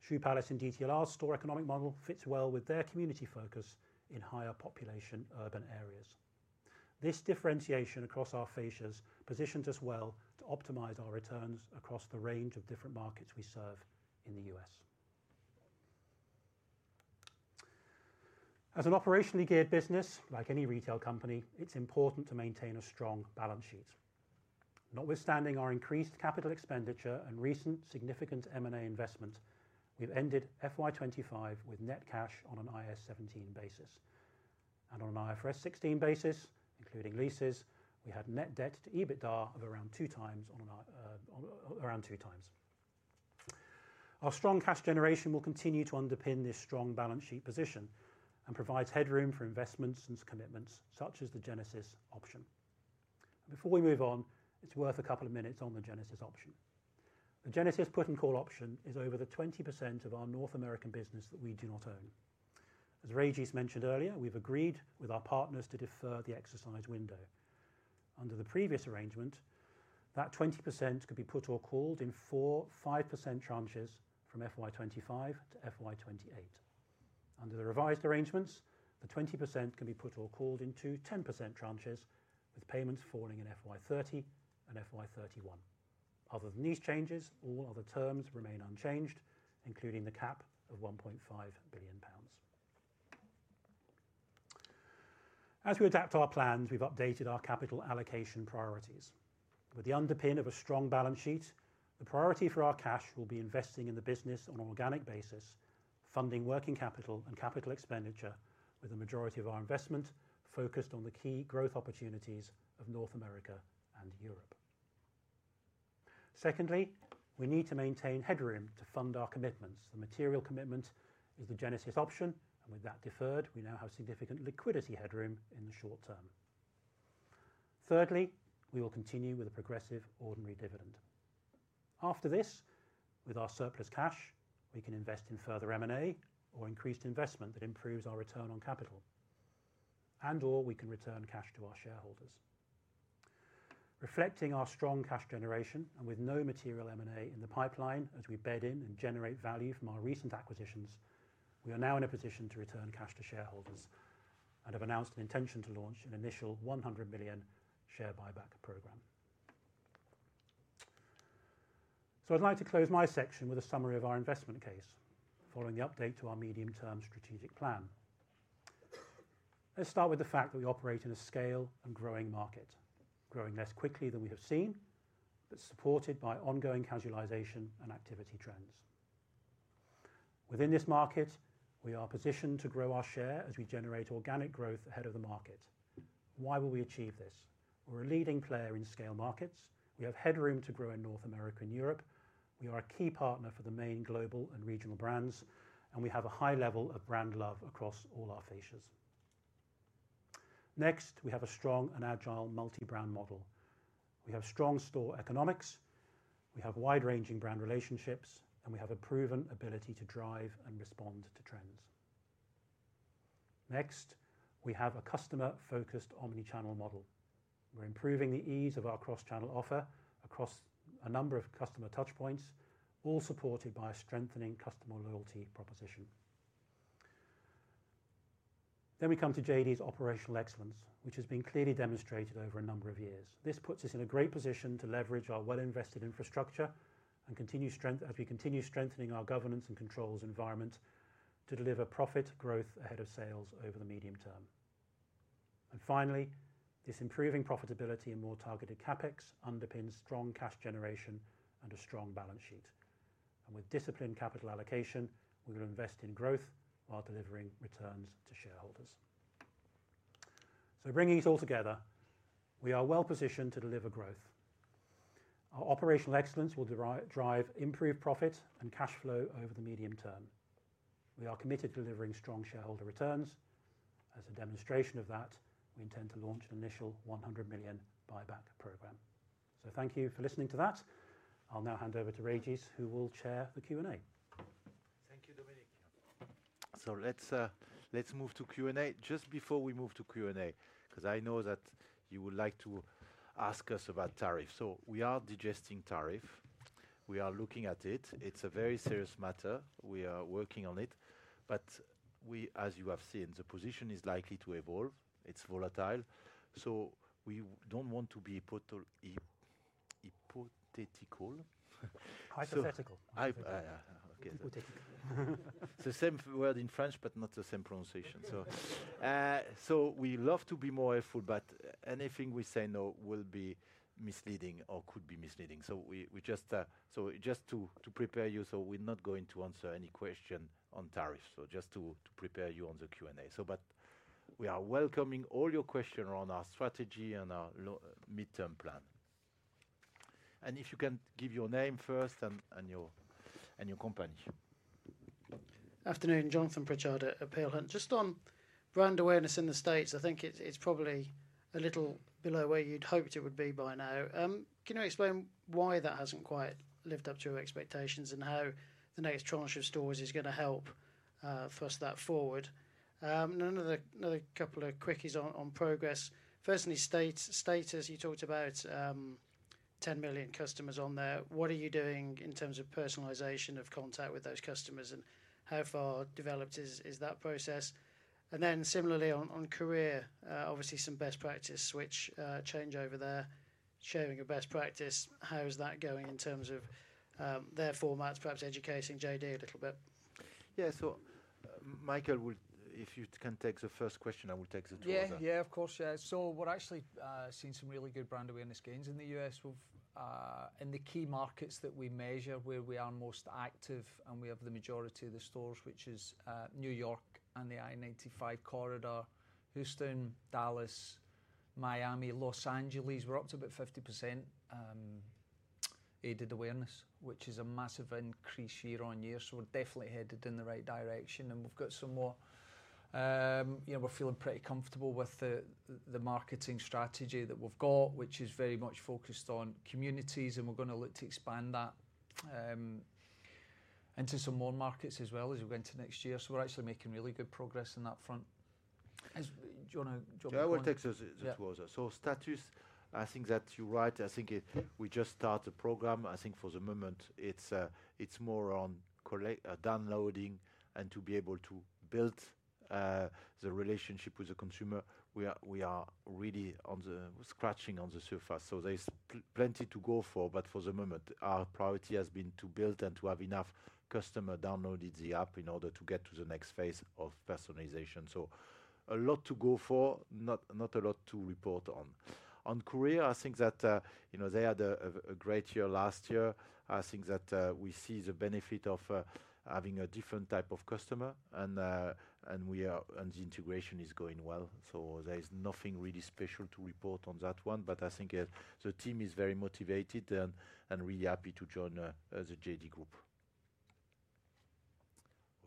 Shoe Palace and DTLR's store economic model fits well with their community focus in higher population urban areas. This differentiation across our fascias positions us well to optimize our returns across the range of different markets we serve in the U.S. As an operationally geared business, like any retail company, it's important to maintain a strong balance sheet. Notwithstanding our increased capital expenditure and recent significant M&A investment, we've ended FY2025 with net cash on an IS17 basis. On an IFRS 16 basis, including leases, we had net debt to EBITDA of around 2 times. Our strong cash generation will continue to underpin this strong balance sheet position and provides headroom for investments and commitments such as the Genesis option. Before we move on, it's worth a couple of minutes on the Genesis option. The Genesis put and call option is over the 20% of our North American business that we do not own. As Régis mentioned earlier, we've agreed with our partners to defer the exercise window. Under the previous arrangement, that 20% could be put or called in four 5% tranches from FY2025 to FY2028. Under the revised arrangements, the 20% can be put or called into 10% tranches, with payments falling in FY2030 and FY2031. Other than these changes, all other terms remain unchanged, including the cap of 1.5 billion pounds. As we adapt our plans, we've updated our capital allocation priorities. With the underpin of a strong balance sheet, the priority for our cash will be investing in the business on an organic basis, funding working capital and capital expenditure, with the majority of our investment focused on the key growth opportunities of North America and Europe. Secondly, we need to maintain headroom to fund our commitments. The material commitment is the Genesis option, and with that deferred, we now have significant liquidity headroom in the short term. Thirdly, we will continue with a progressive ordinary dividend. After this, with our surplus cash, we can invest in further M&A or increased investment that improves our return on capital, and/or we can return cash to our shareholders. Reflecting our strong cash generation and with no material M&A in the pipeline as we bed in and generate value from our recent acquisitions, we are now in a position to return cash to shareholders and have announced an intention to launch an initial 100 million share buyback program. I would like to close my section with a summary of our investment case following the update to our medium-term strategic plan. Let's start with the fact that we operate in a scale and growing market, growing less quickly than we have seen, but supported by ongoing casualization and activity trends. Within this market, we are positioned to grow our share as we generate organic growth ahead of the market. Why will we achieve this? We're a leading player in scale markets. We have headroom to grow in North America and Europe. We are a key partner for the main global and regional brands, and we have a high level of brand love across all our fascias. Next, we have a strong and agile multi-brand model. We have strong store economics. We have wide-ranging brand relationships, and we have a proven ability to drive and respond to trends. Next, we have a customer-focused omnichannel model. We're improving the ease of our cross-channel offer across a number of customer touchpoints, all supported by a strengthening customer loyalty proposition. We come to JD's operational excellence, which has been clearly demonstrated over a number of years. This puts us in a great position to leverage our well-invested infrastructure and continue strengthening our governance and controls environment to deliver profit growth ahead of sales over the medium term. Finally, this improving profitability and more targeted CapEx underpins strong cash generation and a strong balance sheet. With disciplined capital allocation, we will invest in growth while delivering returns to shareholders. Bringing it all together, we are well positioned to deliver growth. Our operational excellence will drive improved profit and cash flow over the medium term. We are committed to delivering strong shareholder returns. As a demonstration of that, we intend to launch an initial 100 million buyback program. Thank you for listening to that. I'll now hand over to Régis, who will chair the Q&A. Thank you, Dominic. Let's move to Q&A. Just before we move to Q&A, because I know that you would like to ask us about tariffs. We are digesting tariff. We are looking at it. It's a very serious matter. We are working on it. As you have seen, the position is likely to evolve. It's volatile. We do not want to be hypothetical. Hypothetical. Hypothetical. It's the same word in French, but not the same pronunciation. We would love to be more helpful, but anything we say now will be misleading or could be misleading. Just to prepare you, we are not going to answer any question on tariffs. Just to prepare you on the Q&A. We are welcoming all your questions on our strategy and our midterm plan. If you can give your name first and your company. Afternoon, Jonathan Pritchard at Peel Hunt. Just on brand awareness in the States, I think it's probably a little below where you'd hoped it would be by now. Can you explain why that hasn't quite lived up to your expectations and how the next tranche of stores is going to help force that forward? Another couple of quickies on progress. Firstly, Status, you talked about 10 million customers on there. What are you doing in terms of personalization of contact with those customers and how far developed is that process? Similarly on Courir, obviously some best practice switch change over there. Sharing your best practice, how is that going in terms of their formats, perhaps educating JD a little bit? Yeah, so Michael, if you can take the first question, I will take the two others. Yeah, yeah, of course. Yeah. We're actually seeing some really good brand awareness gains in the U.S. in the key markets that we measure where we are most active and we have the majority of the stores, which is New York and the I-95 corridor, Houston, Dallas, Miami, Los Angeles. We're up to about 50% aided awareness, which is a massive increase year on year. We're definitely headed in the right direction. We've got some more. We're feeling pretty comfortable with the marketing strategy that we've got, which is very much focused on communities, and we're going to look to expand that into some more markets as well as we go into next year. We're actually making really good progress on that front. Do you want to jump in? Yeah, I will take the two others. Status, I think that you're right. I think we just started the program. I think for the moment, it's more on downloading and to be able to build the relationship with the consumer. We are really scratching on the surface. There is plenty to go for, but for the moment, our priority has been to build and to have enough customers downloading the app in order to get to the next phase of personalization. There is a lot to go for, not a lot to report on. On Courir, I think that they had a great year last year. I think that we see the benefit of having a different type of customer, and the integration is going well. There is nothing really special to report on that one, but I think the team is very motivated and really happy to join the JD Group.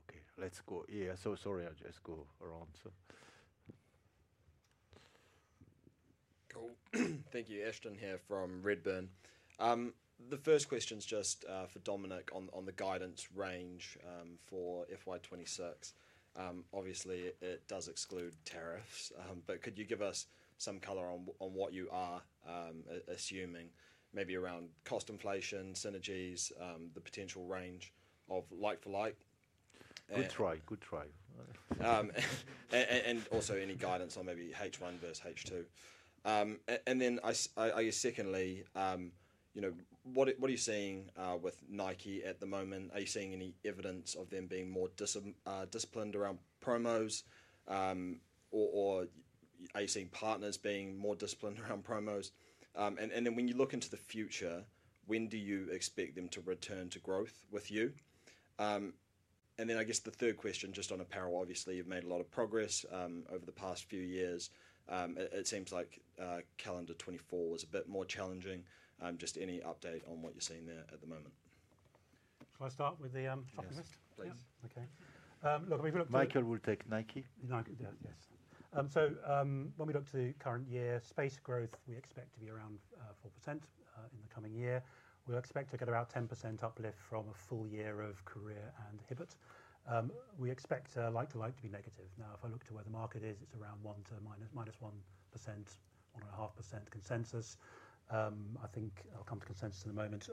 Okay, let's go here. Sorry, I'll just go around. Thank you. Ashton here from Redburn. The first question is just for Dominic on the guidance range for FY2026. Obviously, it does exclude tariffs, but could you give us some color on what you are assuming, maybe around cost inflation, synergies, the potential range of like-for-like? Good try. Good try. Also, any guidance on maybe H1 versus H2. Secondly, what are you seeing with Nike at the moment? Are you seeing any evidence of them being more disciplined around promos, or are you seeing partners being more disciplined around promos? When you look into the future, when do you expect them to return to growth with you? I guess the third question, just on a parallel, obviously, you have made a lot of progress over the past few years. It seems like calendar 2024 was a bit more challenging. Just any update on what you are seeing there at the moment? Shall I start with the optimist? Yeah, please. Okay. Look, Michael will take Nike. Yes. When we look to the current year, space growth, we expect to be around 4% in the coming year. We expect to get about 10% uplift from a full year of Courir and Hibbett. We expect like-for-like to be negative. Now, if I look to where the market is, it is around 1% to -1%, 1.5% consensus. I think I will come to consensus in a moment.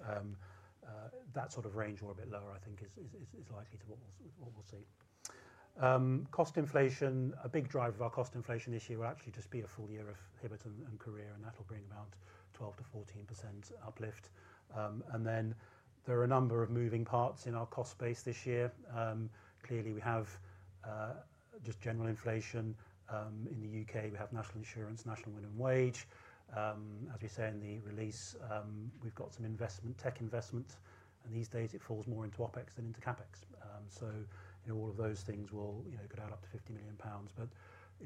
That sort of range or a bit lower, I think, is likely to be what we will see. Cost inflation, a big driver of our cost inflation this year will actually just be a full year of Hibbett and Courir, and that will bring about 12%-14% uplift. There are a number of moving parts in our cost space this year. Clearly, we have just general inflation in the U.K. We have national insurance, national minimum wage. As we say in the release, we've got some investment, tech investment, and these days it falls more into OpEx than into CapEx. All of those things will go down up to 50 million pounds.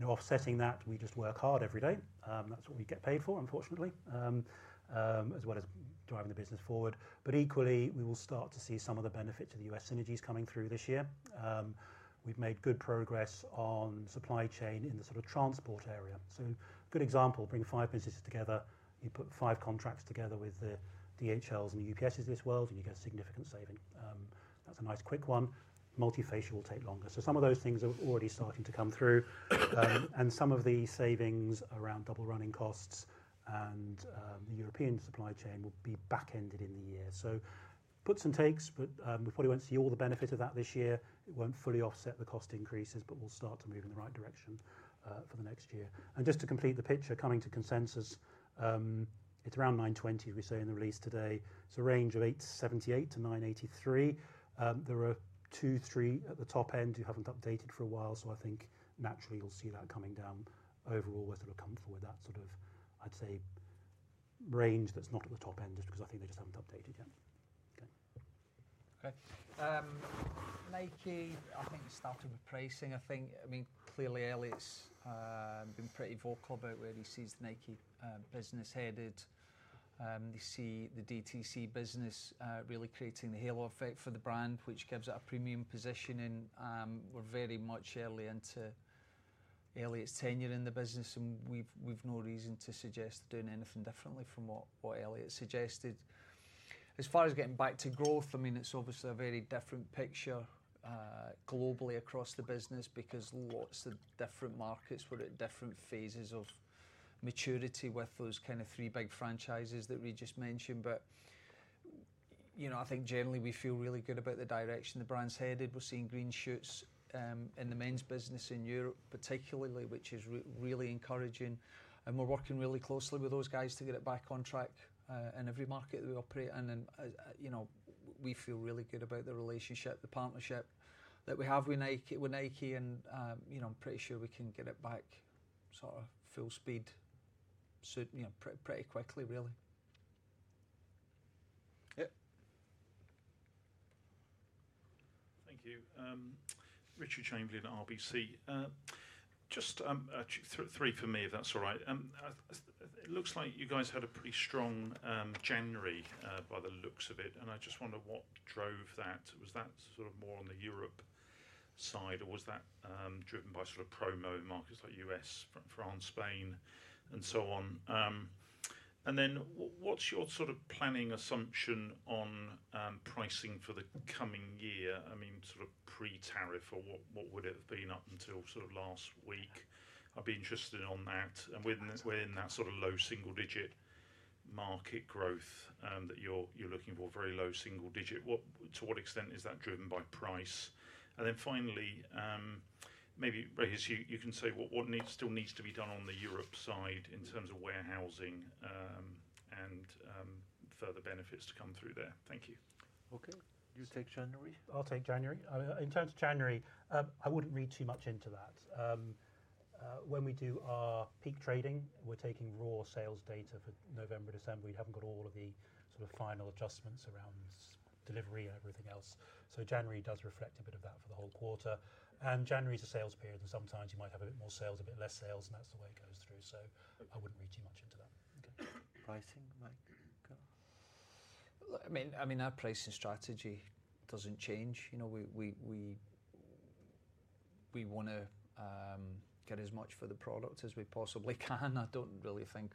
Offsetting that, we just work hard every day. That's what we get paid for, unfortunately, as well as driving the business forward. Equally, we will start to see some of the benefits of the U.S. synergies coming through this year. We've made good progress on supply chain in the sort of transport area. A good example, bring five businesses together. You put five contracts together with the DHLs and the UPSs of this world, and you get a significant saving. That's a nice quick one. Multi-fascia will take longer. Some of those things are already starting to come through. Some of the savings around double running costs and the European supply chain will be back-ended in the year. Puts and takes, but we probably will not see all the benefit of that this year. It will not fully offset the cost increases, but we will start to move in the right direction for the next year. Just to complete the picture, coming to consensus, it is around 920 million, as we say in the release today. It is a range of 878 million-983 million. There are two, three at the top end who have not updated for a while. I think naturally you will see that coming down overall as they look comfortable with that sort of, I would say, range that is not at the top end just because I think they just have not updated yet. Okay. Okay. Nike, I think started with pricing. I think, I mean, clearly, Elliott's been pretty vocal about where he sees the Nike business headed. They see the DTC business really creating the halo effect for the brand, which gives it a premium position. We're very much early into Elliott's tenure in the business, and we've no reason to suggest doing anything differently from what Elliott suggested. As far as getting back to growth, I mean, it's obviously a very different picture globally across the business because lots of different markets were at different phases of maturity with those kind of three big franchises that we just mentioned. I think generally we feel really good about the direction the brand's headed. We're seeing green shoots in the men's business in Europe, particularly, which is really encouraging. We're working really closely with those guys to get it back on track in every market that we operate in. We feel really good about the relationship, the partnership that we have with Nike. With Nike, and I'm pretty sure we can get it back sort of full speed pretty quickly, really. Thank you. Richard Chamberlain, RBC. Just three for me, if that's all right. It looks like you guys had a pretty strong January by the looks of it, and I just wonder what drove that. Was that sort of more on the Europe side, or was that driven by sort of promo markets like U.S., France, Spain, and so on? What's your sort of planning assumption on pricing for the coming year? I mean, sort of pre-tariff or what would it have been up until sort of last week? I'd be interested in on that. And we're in that sort of low single-digit market growth that you're looking for, very low single digit. To what extent is that driven by price? And then finally, maybe you can say what still needs to be done on the Europe side in terms of warehousing and further benefits to come through there. Thank you. Okay. Do you take January? I'll take January. In terms of January, I wouldn't read too much into that. When we do our peak trading, we're taking raw sales data for November, December. We haven't got all of the sort of final adjustments around delivery and everything else. January does reflect a bit of that for the whole quarter. January is a sales period, and sometimes you might have a bit more sales, a bit less sales, and that's the way it goes through. I would not read too much into that. Okay. Pricing, Mike? I mean, our pricing strategy does not change. We want to get as much for the product as we possibly can. I do not really think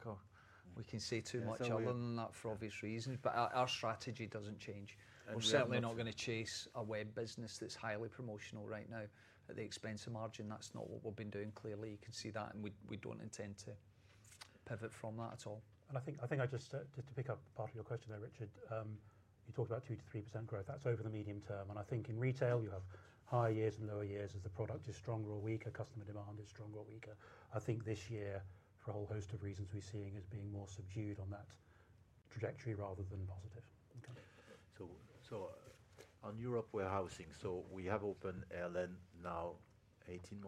we can say too much other than that for obvious reasons, but our strategy does not change. We are certainly not going to chase a web business that is highly promotional right now at the expense of margin. That is not what we have been doing. Clearly, you can see that, and we do not intend to pivot from that at all. I think just to pick up part of your question there, Richard, you talked about 2-3% growth. That is over the medium term. I think in retail, you have higher years and lower years as the product is stronger or weaker. Customer demand is stronger or weaker. I think this year, for a whole host of reasons, we're seeing as being more subdued on that trajectory rather than positive. Okay. On Europe warehousing, we opened LN now 18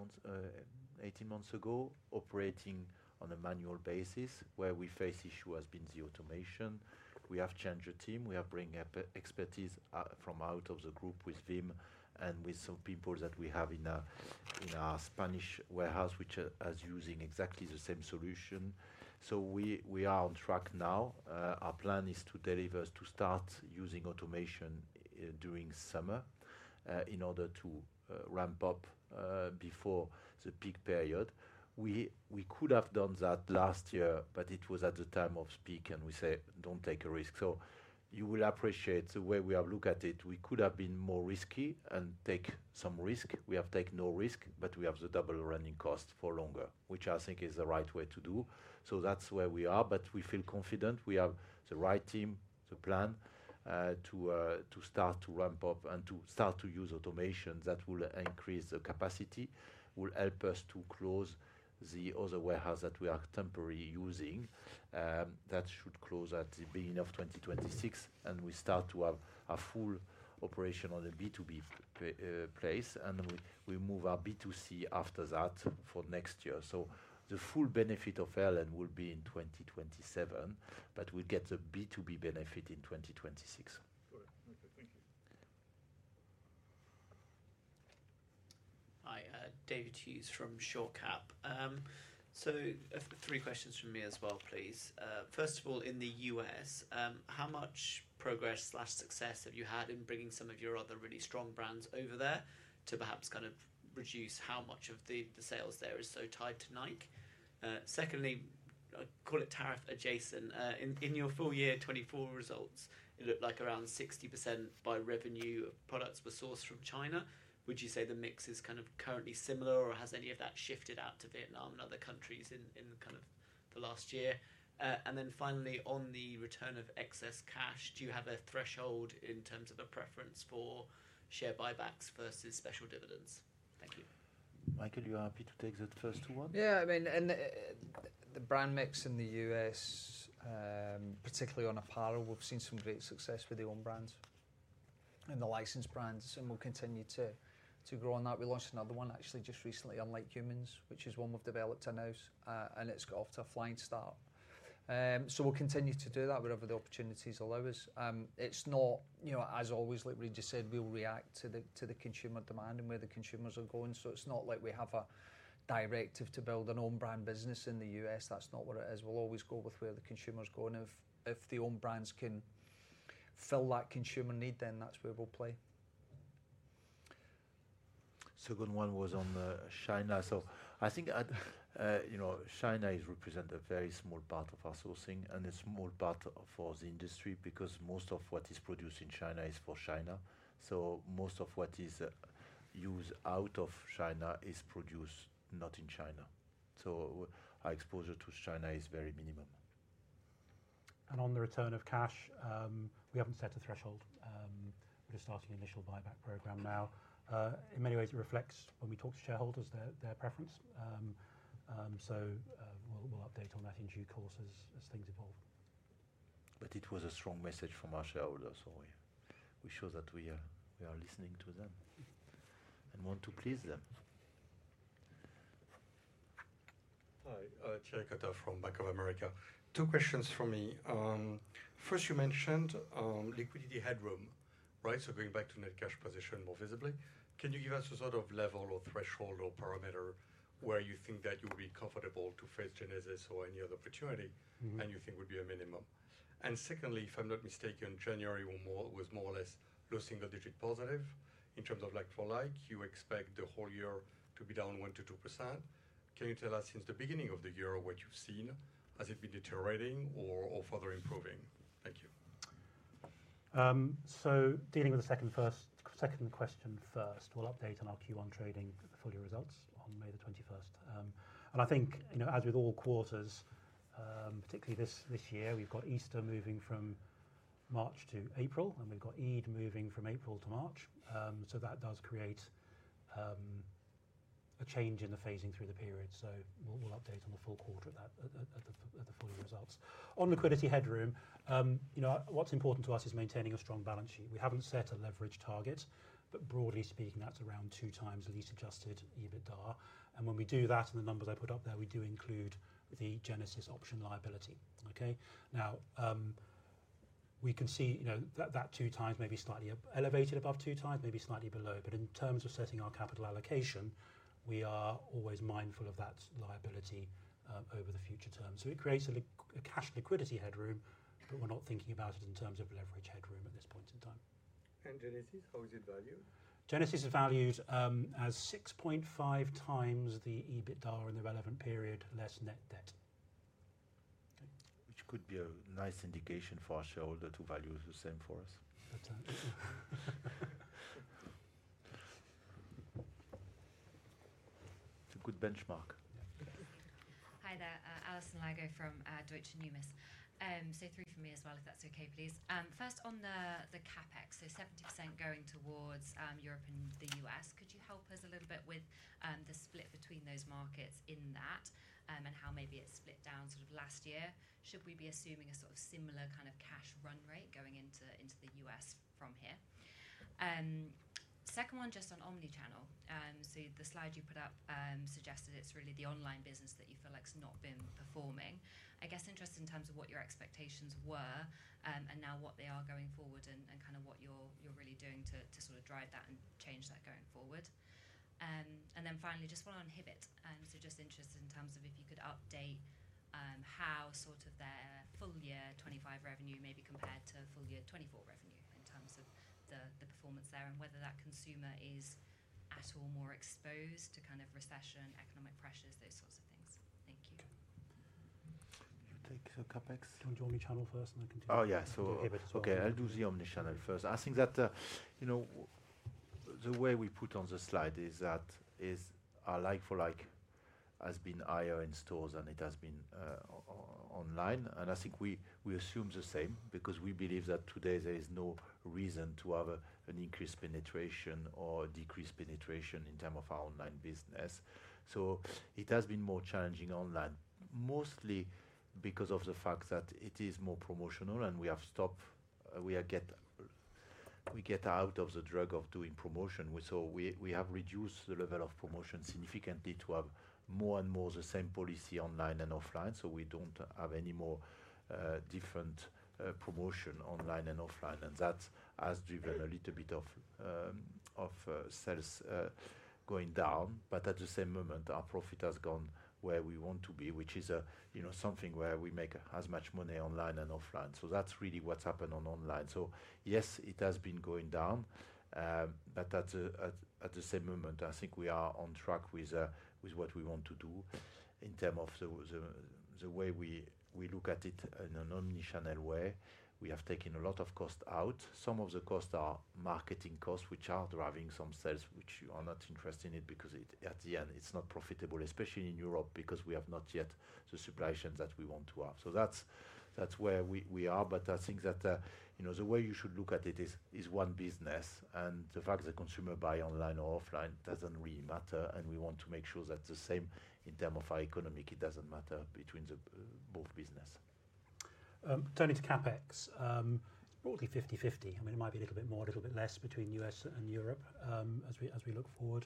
months ago, operating on a manual basis. Where we face issue has been the automation. We have changed a team. We have brought expertise from out of the group with Wim and with some people that we have in our Spanish warehouse, which is using exactly the same solution. We are on track now. Our plan is to deliver to start using automation during summer in order to ramp up before the peak period. We could have done that last year, but it was at the time of peak, and we said, "Don't take a risk." You will appreciate the way we have looked at it. We could have been more risky and take some risk. We have taken no risk, but we have the double running cost for longer, which I think is the right way to do. That is where we are, but we feel confident. We have the right team, the plan to start to ramp up and to start to use automation that will increase the capacity, will help us to close the other warehouse that we are temporarily using. That should close at the beginning of 2026, and we start to have a full operation on the B2B place, and we move our B2C after that for next year. The full benefit of LN will be in 2027, but we will get the B2B benefit in 2026. Got it. Okay. Thank you. Hi, David Hughes from Shore Cap. Three questions from me as well, please. First of all, in the U.S., how much progress/success have you had in bringing some of your other really strong brands over there to perhaps kind of reduce how much of the sales there is so tied to Nike? Secondly, I call it tariff adjacent. In your full year 2024 results, it looked like around 60% by revenue of products were sourced from China. Would you say the mix is kind of currently similar, or has any of that shifted out to Vietnam and other countries in kind of the last year? Finally, on the return of excess cash, do you have a threshold in terms of a preference for share buybacks versus special dividends? Thank you. Michael, you're happy to take the first two ones? Yeah. I mean, the brand mix in the U.S., particularly on apparel, we've seen some great success with the own brands and the licensed brands, and we'll continue to grow on that. We launched another one actually just recently, Unlike Humans, which is one we've developed in-house, and it's got off to a flying start. We'll continue to do that wherever the opportunities allow us. It's not, as always, like we just said, we'll react to the consumer demand and where the consumers are going. It's not like we have a directive to build an own brand business in the U.S. That's not what it is. We'll always go with where the consumer's going. If the own brands can fill that consumer need, then that's where we'll play. Second one was on China. I think China represents a very small part of our sourcing and a small part for the industry because most of what is produced in China is for China. Most of what is used out of China is produced not in China. Our exposure to China is very minimum. On the return of cash, we have not set a threshold. We are just starting an initial buyback program now. In many ways, it reflects when we talk to shareholders, their preference. We will update on that in due course as things evolve. It was a strong message from our shareholders. We show that we are listening to them and want to please them. Hi, Thierry Breton from Bank of America. Two questions for me. First, you mentioned liquidity headroom, right? Going back to net cash position more visibly, can you give us a sort of level or threshold or parameter where you think that you will be comfortable to face Genesis or any other opportunity and you think would be a minimum? Secondly, if I'm not mistaken, January was more or less low single digit positive in terms of like-for-like. You expect the whole year to be down 1-2%. Can you tell us since the beginning of the year what you've seen? Has it been deteriorating or further improving? Thank you. Dealing with the second question first, we'll update on our Q1 trading portfolio results on May 21. I think, as with all quarters, particularly this year, we've got Easter moving from March to April, and we've got Eid moving from April to March. That does create a change in the phasing through the period. We'll update on the full quarter at the full year results. On liquidity headroom, what's important to us is maintaining a strong balance sheet. We haven't set a leverage target, but broadly speaking, that's around two times lease adjusted EBITDA. When we do that and the numbers I put up there, we do include the Genesis option liability. Okay? Now, we can see that two times may be slightly elevated above two times, maybe slightly below. In terms of setting our capital allocation, we are always mindful of that liability over the future term. It creates a cash liquidity headroom, but we're not thinking about it in terms of leverage headroom at this point in time. Genesis, how is it valued? Genesis is valued as 6.5 times the EBITDA in the relevant period less net debt. Which could be a nice indication for our shareholder to value the same for us. It's a good benchmark. Hi there. Alison Lygo from Deutsche Numis. Say three for me as well, if that's okay, please. First, on the CapEx, so 70% going towards Europe and the US, could you help us a little bit with the split between those markets in that and how maybe it's split down sort of last year? Should we be assuming a sort of similar kind of cash run rate going into the US from here? Second one, just on omnichannel. The slide you put up suggested it's really the online business that you feel like has not been performing. I guess interested in terms of what your expectations were and now what they are going forward and kind of what you're really doing to sort of drive that and change that going forward. Finally, just one on Hibbett. So just interested in terms of if you could update how sort of their full year 2025 revenue may be compared to full year 2024 revenue in terms of the performance there and whether that consumer is at all more exposed to kind of recession, economic pressures, those sorts of things. Thank you. You take the CapEx. Do you want to do omnichannel first and then continue? Oh, yeah. Okay. I'll do the omnichannel first. I think that the way we put on the slide is that our like-for-like has been higher in stores than it has been online. I think we assume the same because we believe that today there is no reason to have an increased penetration or decreased penetration in terms of our online business. It has been more challenging online, mostly because of the fact that it is more promotional and we get out of the drug of doing promotion. We have reduced the level of promotion significantly to have more and more the same policy online and offline. We do not have any more different promotion online and offline. That has driven a little bit of sales going down. At the same moment, our profit has gone where we want to be, which is something where we make as much money online and offline. That is really what has happened on online. Yes, it has been going down, but at the same moment, I think we are on track with what we want to do in terms of the way we look at it in an omnichannel way. We have taken a lot of cost out. Some of the costs are marketing costs, which are driving some sales, which you are not interested in because at the end, it's not profitable, especially in Europe because we have not yet the supply chain that we want to have. That's where we are. I think that the way you should look at it is one business, and the fact that consumers buy online or offline doesn't really matter. We want to make sure that the same in terms of our economic, it doesn't matter between both businesses. Turning to CapEx, broadly 50/50. I mean, it might be a little bit more, a little bit less between the U.S. and Europe as we look forward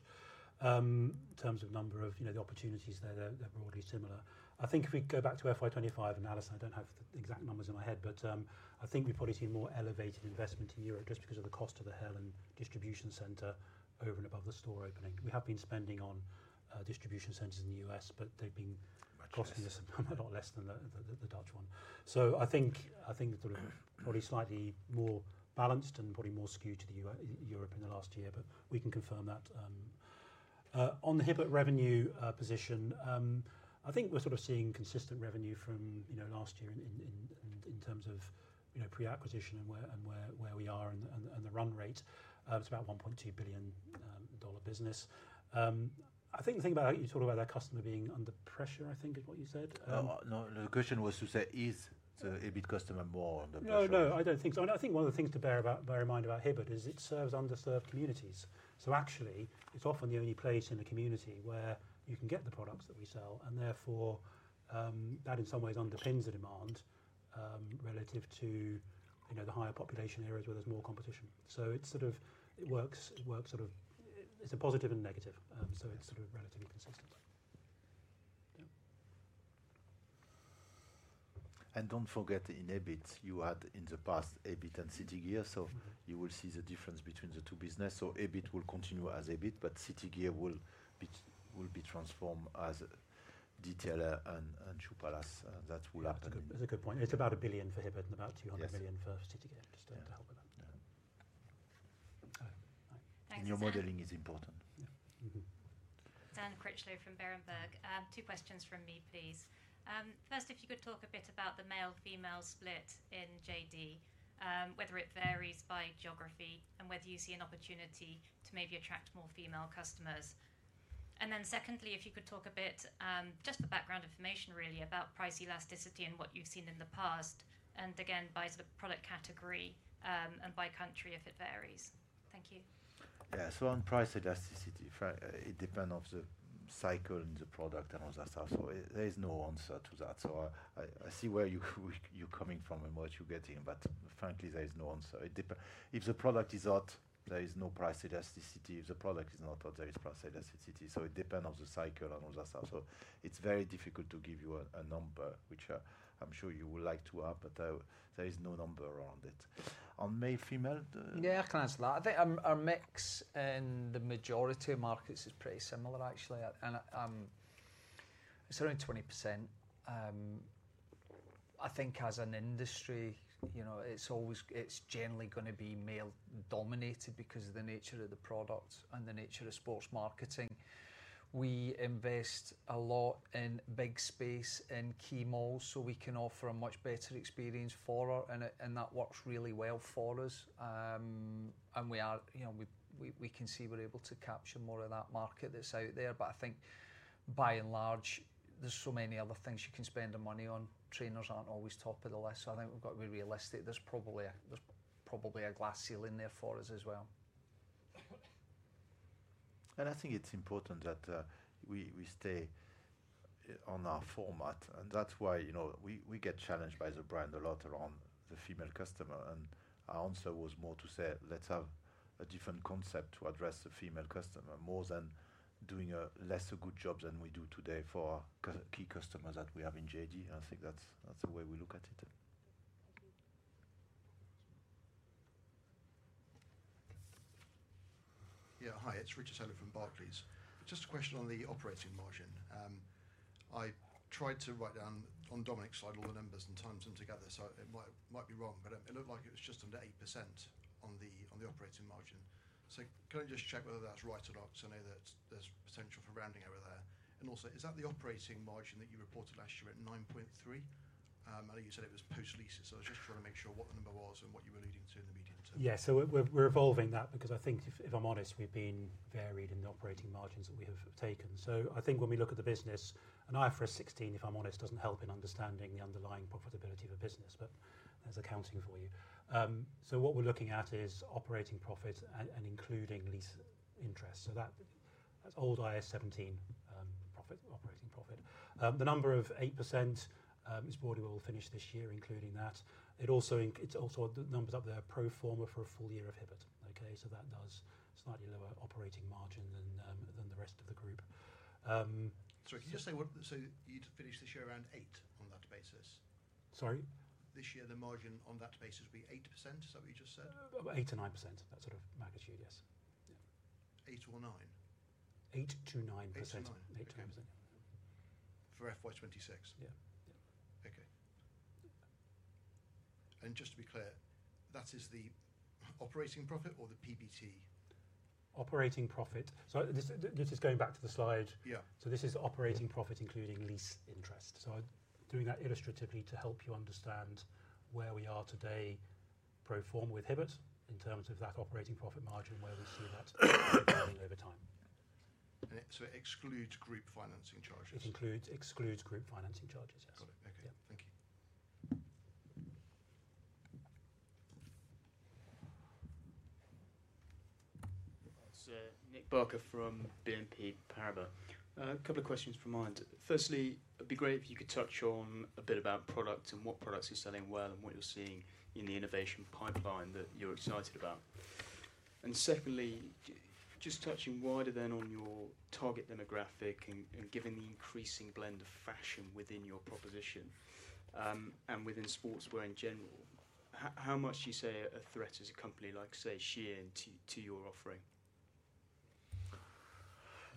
in terms of number of the opportunities there, they're broadly similar. I think if we go back to FY2025, and Alison, I don't have the exact numbers in my head, but I think we've probably seen more elevated investment in Europe just because of the cost of the Haarlem distribution center over and above the store opening. We have been spending on distribution centers in the U.S., but they've been costing us a lot less than the Dutch one. I think sort of probably slightly more balanced and probably more skewed to Europe in the last year, but we can confirm that. On the Hibbett revenue position, I think we're sort of seeing consistent revenue from last year in terms of pre-acquisition and where we are and the run rate. It's about $1.2 billion business. I think the thing about you talked about that customer being under pressure, I think, is what you said. No, the question was to say, is the Hibbett customer more under pressure? No, no, I don't think so. I think one of the things to bear in mind about Hibbett is it serves underserved communities. Actually, it's often the only place in the community where you can get the products that we sell, and therefore that in some ways underpins the demand relative to the higher population areas where there's more competition. It sort of works, sort of it's a positive and negative. It's sort of relatively consistent. Do not forget in Hibbett, you had in the past Hibbett and Citygear, so you will see the difference between the two businesses. Hibbett will continue as Hibbett, but Citygear will be transformed as DTLR and Shoe Palace. That will happen. That's a good point. It's about $1 billion for Hibbett and about $200 million for City Gear, just to help with that. Your modeling is important. Anne Critchlow from Berenberg. Two questions from me, please. First, if you could talk a bit about the male-female split in JD, whether it varies by geography and whether you see an opportunity to maybe attract more female customers. Secondly, if you could talk a bit, just the background information really about price elasticity and what you've seen in the past, and again, by sort of product category and by country if it varies. Thank you. Yeah. On price elasticity, it depends on the cycle and the product and all that stuff. There is no answer to that. I see where you're coming from and what you're getting, but frankly, there is no answer. If the product is hot, there is no price elasticity. If the product is not hot, there is price elasticity. It depends on the cycle and all that stuff. It's very difficult to give you a number, which I'm sure you would like to have, but there is no number around it. On male-female? I think our mix in the majority of markets is pretty similar, actually. It's around 20%. I think as an industry, it's generally going to be male-dominated because of the nature of the product and the nature of sports marketing. We invest a lot in big space in key malls so we can offer a much better experience for our end, and that works really well for us. We can see we're able to capture more of that market that's out there. I think by and large, there's so many other things you can spend the money on. Trainers aren't always top of the list, so I think we've got to be realistic. There's probably a glass ceiling there for us as well. I think it's important that we stay on our format. That's why we get challenged by the brand a lot around the female customer. Our answer was more to say, let's have a different concept to address the female customer more than doing less good jobs than we do today for key customers that we have in JD. I think that's the way we look at it. Yeah. Hi, it's Richard Hill from Barclays. Just a question on the operating margin. I tried to write down on Dominic's side all the numbers and times them together, so it might be wrong, but it looked like it was just under 8% on the operating margin. Can I just check whether that's right or not so I know that there's potential for rounding over there? Also, is that the operating margin that you reported last year at 9.3%? I know you said it was post-lease, so I was just trying to make sure what the number was and what you were leading to in the median term. Yeah. We're evolving that because I think if I'm honest, we've been varied in the operating margins that we have taken. I think when we look at the business, IFRS 16, if I'm honest, doesn't help in understanding the underlying profitability of a business, but there's accounting for you. What we're looking at is operating profit and including lease interest. That's old IAS 17 operating profit. The number of 8% is broadly we'll finish this year including that. It's also the numbers up there pro forma for a full year of Hibbett. Okay? That does slightly lower operating margin than the rest of the group. Sorry, can you just say so you'd finish this year around 8 on that basis? Sorry? This year, the margin on that basis would be 8%? Is that what you just said? 8-9%. That sort of magnitude, yes. 8 or 9? 8-9%. 8-9%. For FY2026? Yeah. Okay. Just to be clear, that is the operating profit or the PBT? Operating profit. This is going back to the slide. This is operating profit including lease interest. I am doing that illustratively to help you understand where we are today pro forma with Hibbett in terms of that operating profit margin where we see that over time. It excludes group financing charges? It excludes group financing charges, yes. Got it. Okay. Thank you. That is Nick Barker from BNP Paribas. A couple of questions from mine. Firstly, it would be great if you could touch on a bit about product and what products you are selling well and what you are seeing in the innovation pipeline that you are excited about. Secondly, just touching wider then on your target demographic and given the increasing blend of fashion within your proposition and within sportswear in general, how much do you say a threat is a company like, say, Shein to your offering?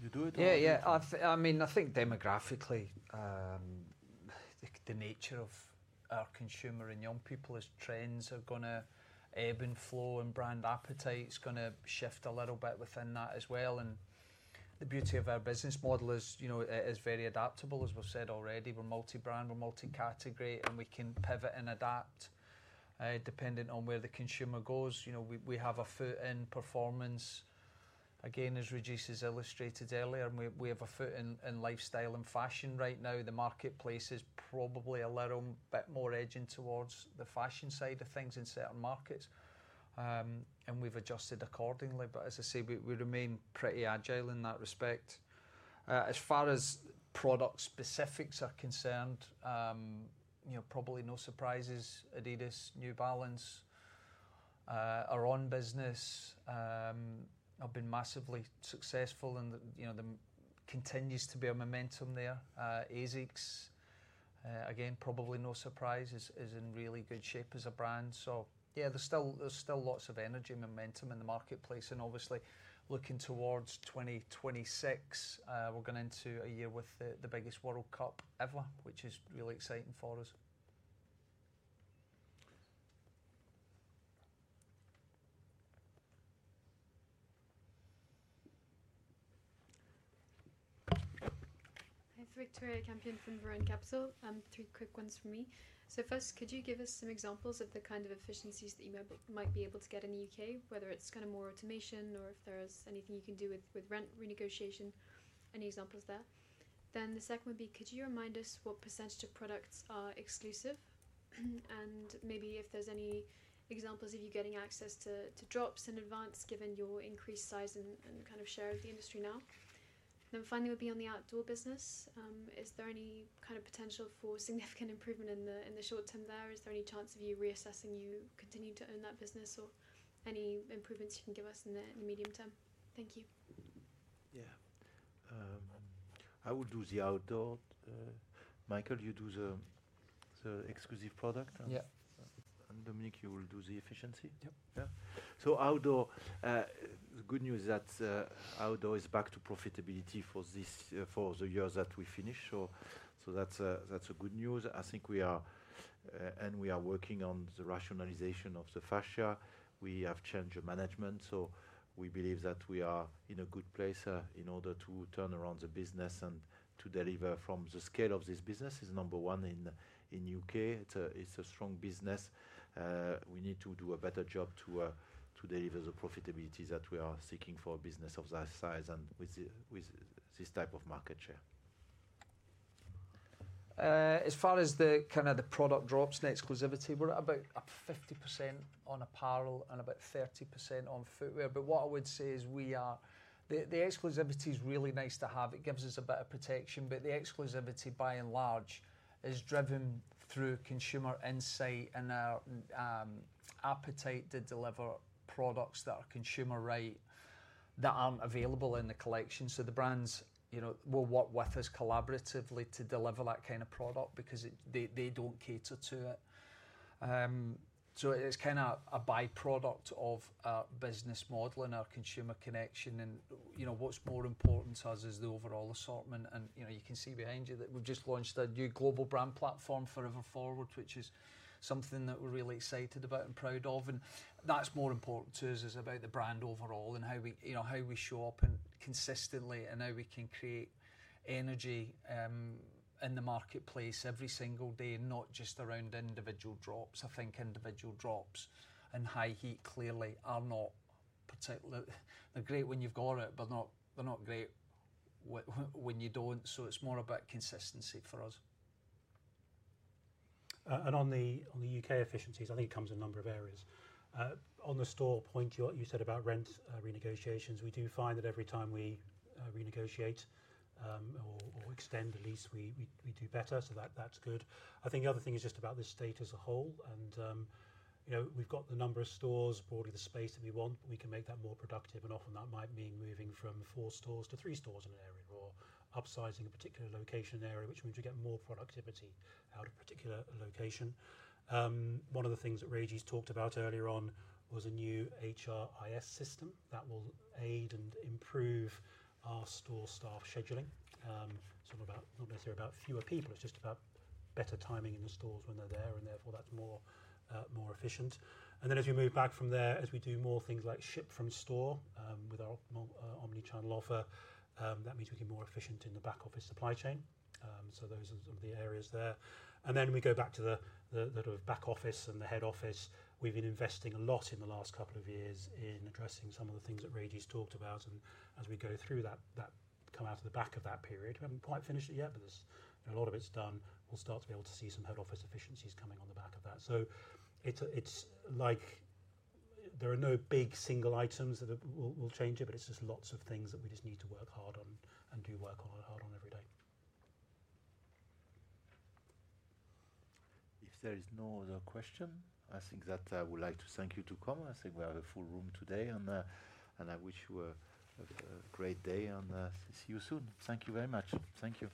You do it? Yeah. Yeah. I mean, I think demographically, the nature of our consumer and young people is trends are going to ebb and flow and brand appetite is going to shift a little bit within that as well. The beauty of our business model is it is very adaptable, as we've said already. We're multi-brand, we're multi-category, and we can pivot and adapt depending on where the consumer goes. We have a foot in performance, again, as Régis has illustrated earlier, and we have a foot in lifestyle and fashion right now. The marketplace is probably a little bit more edging towards the fashion side of things in certain markets, and we've adjusted accordingly. As I say, we remain pretty agile in that respect. As far as product specifics are concerned, probably no surprises. Adidas, New Balance, our own business have been massively successful, and there continues to be a momentum there. Asics, again, probably no surprise, is in really good shape as a brand. Yeah, there's still lots of energy and momentum in the marketplace. Obviously, looking towards 2026, we're going into a year with the biggest World Cup ever, which is really exciting for us. Hi, it's Victoria, a champion from Verona Capsule. Three quick ones from me. First, could you give us some examples of the kind of efficiencies that you might be able to get in the U.K., whether it's kind of more automation or if there's anything you can do with rent renegotiation, any examples there? The second would be, could you remind us what % of products are exclusive? And maybe if there's any examples of you getting access to drops in advance given your increased size and kind of share of the industry now? Finally, it would be on the outdoor business. Is there any kind of potential for significant improvement in the short term there? Is there any chance of you reassessing you continuing to own that business or any improvements you can give us in the medium term? Thank you. Yeah. I would do the outdoor. Michael, you do the exclusive product. Yeah. Dominic, you will do the efficiency. Yeah. Outdoor, the good news is that outdoor is back to profitability for the year that we finish. That is good news. I think we are working on the rationalization of the fascia. We have changed the management, so we believe that we are in a good place in order to turn around the business and to deliver from the scale of this business. It is number one in the U.K. It is a strong business. We need to do a better job to deliver the profitability that we are seeking for a business of that size and with this type of market share. As far as the kind of the product drops and exclusivity, we are at about 50% on apparel and about 30% on footwear. What I would say is the exclusivity is really nice to have. It gives us a better protection, but the exclusivity by and large is driven through consumer insight and our appetite to deliver products that are consumer-right that aren't available in the collection. The brands will work with us collaboratively to deliver that kind of product because they don't cater to it. It is kind of a byproduct of our business model and our consumer connection. What is more important to us is the overall assortment. You can see behind you that we have just launched a new global brand platform for Ever Forward, which is something that we are really excited about and proud of. What is more important to us is about the brand overall and how we show up consistently and how we can create energy in the marketplace every single day, not just around individual drops. I think individual drops and high heat clearly are not particularly, they're great when you've got it, but they're not great when you don't. It is more about consistency for us. On the U.K. efficiencies, I think it comes in a number of areas. On the store point, what you said about rent renegotiations, we do find that every time we renegotiate or extend the lease, we do better. That is good. I think the other thing is just about the estate as a whole. We have got the number of stores, broadly the space that we want, but we can make that more productive. Often that might mean moving from four stores to three stores in an area or upsizing a particular location in an area, which means we get more productivity out of a particular location. One of the things that Régis talked about earlier on was a new HRIS system that will aid and improve our store staff scheduling. It's not necessarily about fewer people. It's just about better timing in the stores when they're there, and therefore that's more efficient. As we move back from there, as we do more things like ship from store with our omnichannel offer, that means we can be more efficient in the back office supply chain. Those are some of the areas there. We go back to the back office and the head office. We've been investing a lot in the last couple of years in addressing some of the things that Régis talked about. As we go through that, come out of the back of that period, we haven't quite finished it yet, but a lot of it's done. We'll start to be able to see some head office efficiencies coming on the back of that. It is like there are no big single items that will change it, but it is just lots of things that we just need to work hard on and do work hard on every day. If there is no other question, I think that I would like to thank you to come. I think we have a full room today, and I wish you a great day and see you soon. Thank you very much. Thank you.